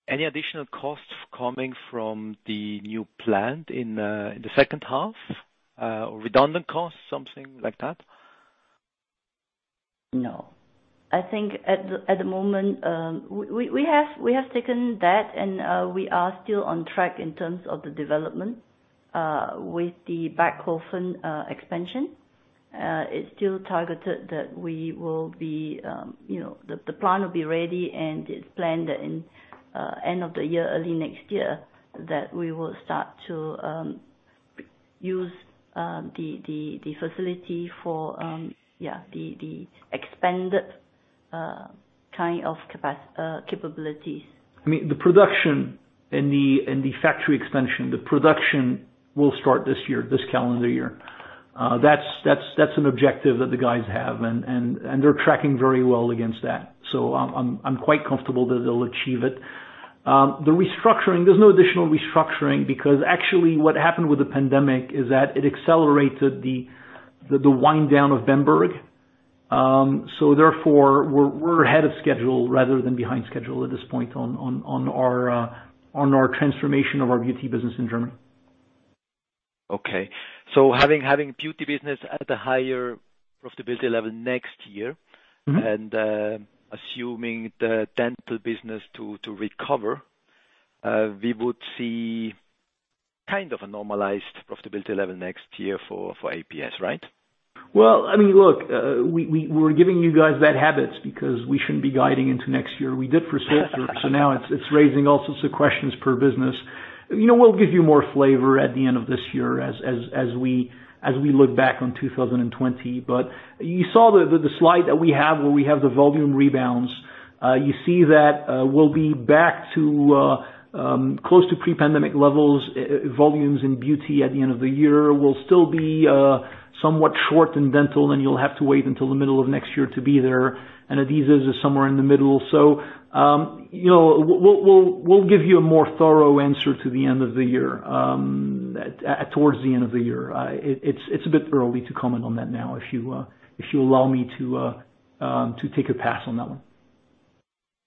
Any additional costs coming from the new plant in the second half? Redundant costs, something like that? No. I think at the moment, we have taken that and we are still on track in terms of the development with the Bechhofen expansion. It's still targeted that the plant will be ready and it's planned end of the year, early next year, that we will start to use the facility for the expanded kind of capabilities. The production and the factory expansion, the production will start this year, this calendar year. That's an objective that the guys have and they're tracking very well against that. I'm quite comfortable that they'll achieve it. The restructuring, there's no additional restructuring because actually what happened with the pandemic is that it accelerated the wind down of Bamberg. Therefore we're ahead of schedule rather than behind schedule at this point on our transformation of our beauty business in Germany. Okay. having beauty business at a higher profitability level next year. Assuming the dental business to recover, we would see kind of a normalized profitability level next year for APS, right? Well, look, we're giving you guys bad habits because we shouldn't be guiding into next year. We did for Sulzer. Now it's raising all sorts of questions per business. We'll give you more flavor at the end of this year as we look back on 2020. You saw the slide that we have where we have the volume rebounds. You see that we'll be back to close to pre-pandemic levels, volumes in beauty at the end of the year. We'll still be somewhat short in dental. You'll have to wait until the middle of next year to be there. Adhesives is somewhere in the middle. We'll give you a more thorough answer to the end of the year, towards the end of the year. It's a bit early to comment on that now. If you allow me to take a pass on that one.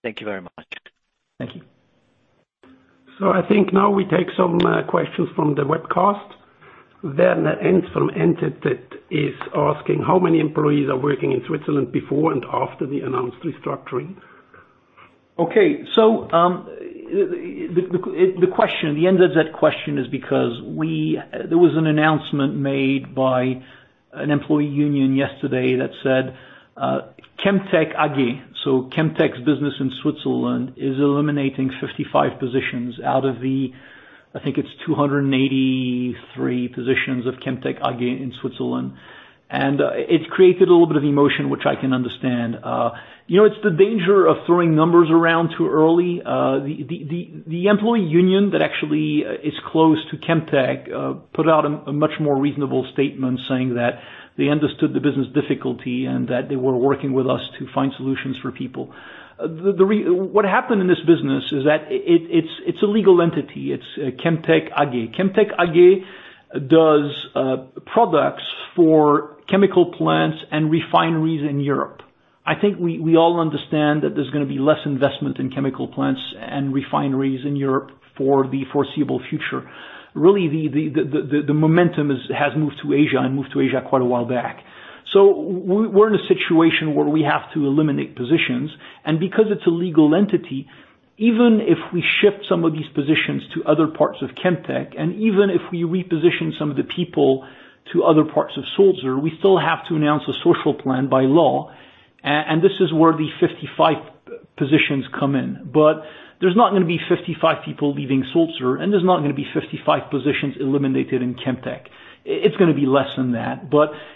Thank you very much. Thank you. I think now we take some questions from the webcast. Ernst from 10vor10 is asking how many employees are working in Switzerland before and after the announced restructuring? Okay. The end of that question is because there was an announcement made by an employee union yesterday that said Chemtech AG, so Chemtech's business in Switzerland, is eliminating 55 positions out of the, I think it's 283 positions of Chemtech AG in Switzerland. It created a little bit of emotion, which I can understand. It's the danger of throwing numbers around too early. The employee union that actually is close to Chemtech, put out a much more reasonable statement saying that they understood the business difficulty, and that they were working with us to find solutions for people. What happened in this business is that it's a legal entity. It's Chemtech AG. Chemtech AG does products for chemical plants and refineries in Europe. I think we all understand that there's going to be less investment in chemical plants and refineries in Europe for the foreseeable future. Really, the momentum has moved to Asia, and moved to Asia quite a while back. We're in a situation where we have to eliminate positions, and because it's a legal entity, even if we shift some of these positions to other parts of Chemtech, and even if we reposition some of the people to other parts of Sulzer, we still have to announce a social plan by law. This is where the 55 positions come in. There's not going to be 55 people leaving Sulzer, and there's not going to be 55 positions eliminated in Chemtech. It's going to be less than that.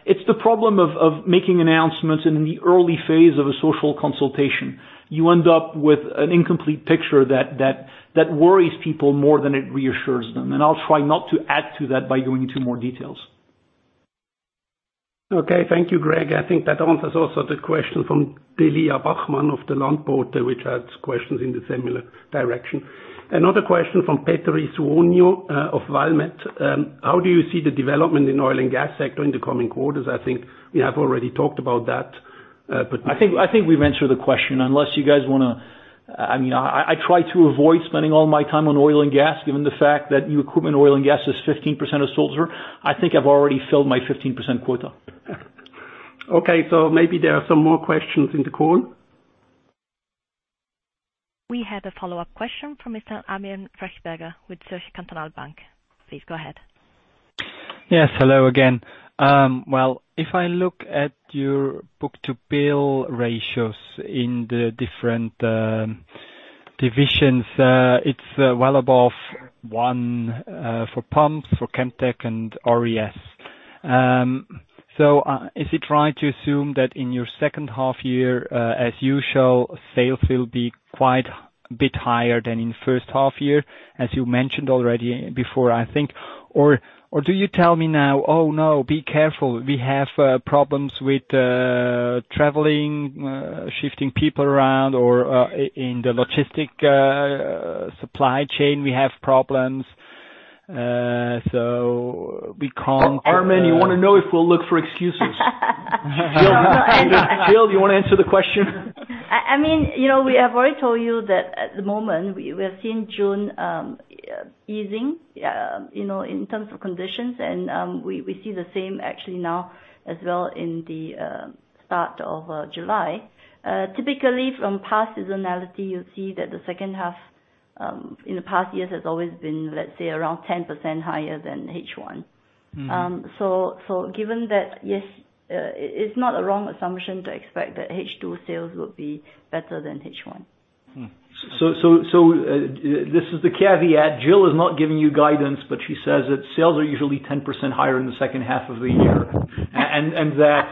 It's the problem of making announcements in the early phase of a social consultation. You end up with an incomplete picture that worries people more than it reassures them. I'll try not to add to that by going into more details. Okay. Thank you, Greg. I think that answers also the question from Delia Bachmann of the Der Landbote, which asked questions in the similar direction. Another question from Petri Suonio of Valmet. How do you see the development in oil and gas sector in the coming quarters? I think we have already talked about that. I think we've answered the question, unless you guys want to. I try to avoid spending all my time on oil and gas, given the fact that new equipment oil and gas is 15% of Sulzer. I think I've already filled my 15% quota. Okay, maybe there are some more questions in the call. We have a follow-up question from Mr. Armin Rechberger with Zürcher Kantonalbank. Please go ahead. Yes. Hello again. Well, if I look at your book-to-bill ratios in the different divisions, it's well above one for pumps, for Chemtech, and RES. Is it right to assume that in your second half year, as usual, sales will be quite a bit higher than in first half year, as you mentioned already before, I think? Do you tell me now, "Oh, no, be careful. We have problems with traveling, shifting people around, or in the logistic supply chain we have problems." Armin, you want to know if we'll look for excuses? Jill, do you want to answer the question? I mean, we have already told you that at the moment we are seeing June easing, in terms of conditions. We see the same actually now as well in the start of July. Typically, from past seasonality, you'll see that the second half in the past years has always been, let's say, around 10% higher than H1. Given that, yes, it's not a wrong assumption to expect that H2 sales will be better than H1. This is the caveat. Jill is not giving you guidance, but she says that sales are usually 10% higher in the second half of the year. That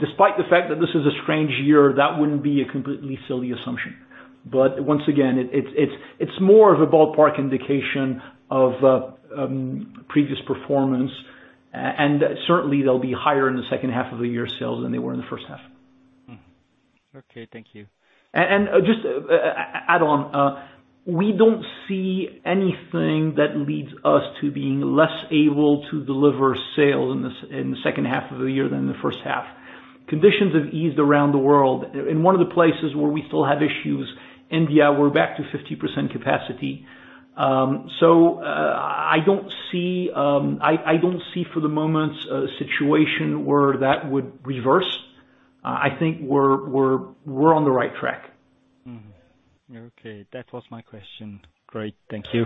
despite the fact that this is a strange year, that wouldn't be a completely silly assumption. Once again, it's more of a ballpark indication of previous performance, and certainly they'll be higher in the second half of the year sales than they were in the first half. Okay. Thank you. Just add on, we don't see anything that leads us to being less able to deliver sales in the second half of the year than in the first half. Conditions have eased around the world. In one of the places where we still have issues, India, we're back to 50% capacity. I don't see for the moment a situation where that would reverse. I think we're on the right track. Okay. That was my question. Great. Thank you.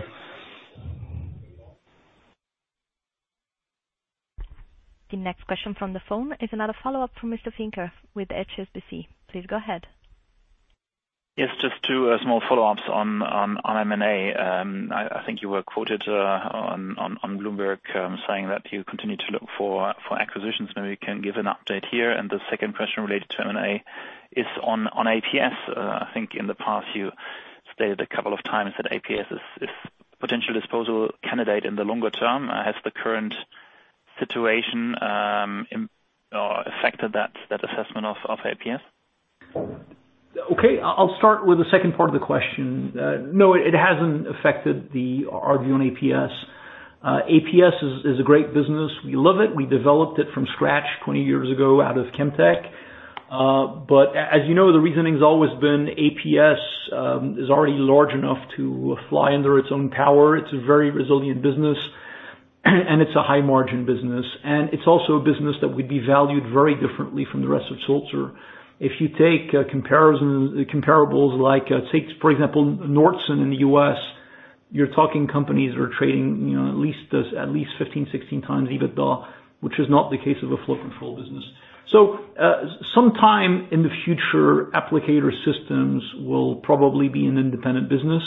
The next question from the phone is another follow-up from Mr. Finke with HSBC. Please go ahead. Yes, just two small follow-ups on M&A. I think you were quoted on Bloomberg saying that you continue to look for acquisitions. Maybe you can give an update here. The second question related to M&A is on APS. I think in the past you stated a couple of times that APS is potential disposal candidate in the longer term. Has the current situation affected that assessment of APS? Okay. I'll start with the second part of the question. No, it hasn't affected the view on APS. APS is a great business. We love it. We developed it from scratch 20 years ago out of Chemtech. As you know, the reasoning's always been APS is already large enough to fly under its own power. It's a very resilient business. And it's a high margin business. It's also a business that would be valued very differently from the rest of Sulzer. If you take comparables like, take, for example, Nordson in the U.S., you're talking companies that are trading at least 15x, 16x EBITDA, which is not the case of a flow control business. Sometime in the future, Applicator Systems will probably be an independent business.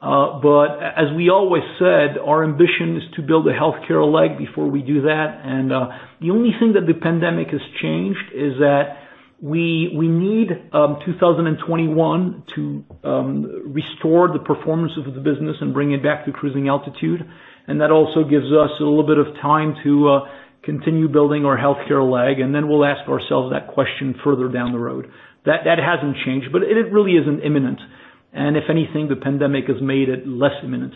As we always said, our ambition is to build a healthcare leg before we do that. The only thing that the pandemic has changed is that we need 2021 to restore the performance of the business and bring it back to cruising altitude. That also gives us a little bit of time to continue building our healthcare leg, and then we'll ask ourselves that question further down the road. That hasn't changed, but it really isn't imminent. If anything, the pandemic has made it less imminent.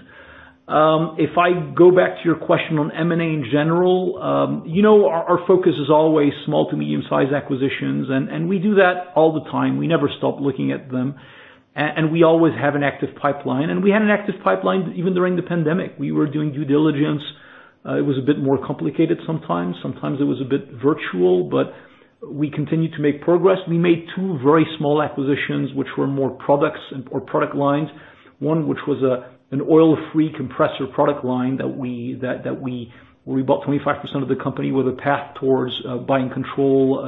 If I go back to your question on M&A in general, our focus is always small to medium-size acquisitions, and we do that all the time. We never stop looking at them. We always have an active pipeline, and we had an active pipeline even during the pandemic. We were doing due diligence. It was a bit more complicated sometimes. Sometimes it was a bit virtual, but we continued to make progress. We made two very small acquisitions which were more products or product lines. One which was an oil-free compressor product line that we bought 25% of the company with a path towards buying control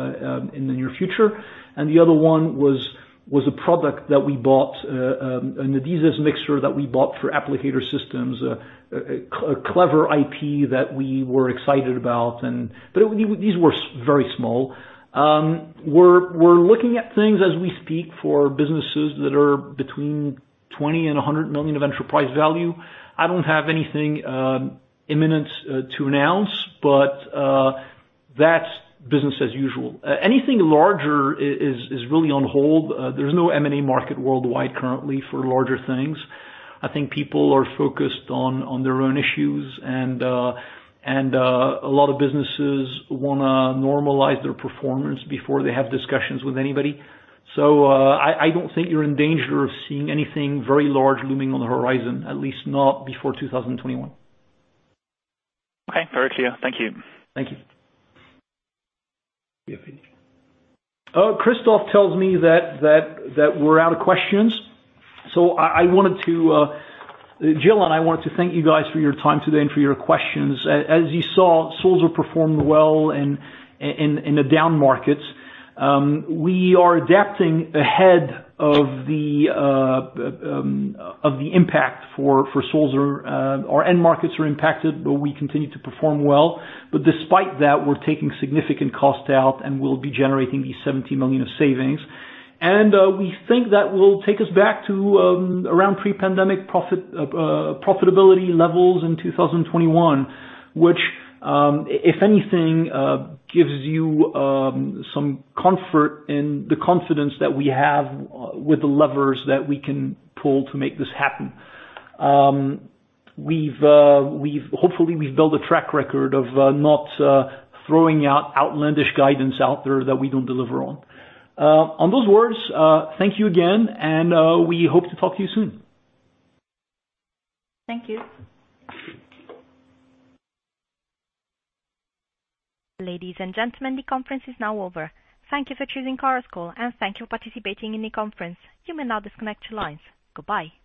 in the near future. The other one was a product that we bought, an adhesives mixture that we bought for Applicator Systems. A clever IP that we were excited about. These were very small. We're looking at things as we speak for businesses that are between 20 million and 100 million of enterprise value. I don't have anything imminent to announce, but that's business as usual. Anything larger is really on hold. There's no M&A market worldwide currently for larger things. I think people are focused on their own issues and a lot of businesses want to normalize their performance before they have discussions with anybody. I don't think you're in danger of seeing anything very large looming on the horizon, at least not before 2021. Okay. Very clear. Thank you. Thank you. Christoph tells me that we're out of questions. Jill and I wanted to thank you guys for your time today and for your questions. As you saw, Sulzer performed well in the down markets. We are adapting ahead of the impact for Sulzer. Our end markets are impacted, we continue to perform well. Despite that, we're taking significant cost out and we'll be generating these 70 million of savings. We think that will take us back to around pre-pandemic profitability levels in 2021, which, if anything, gives you some comfort in the confidence that we have with the levers that we can pull to make this happen. Hopefully, we've built a track record of not throwing out outlandish guidance out there that we don't deliver on. On those words, thank you again, we hope to talk to you soon. Thank you. Ladies and gentlemen, the conference is now over. Thank you for choosing Chorus Call, and thank you for participating in the conference. You may now disconnect your lines. Goodbye.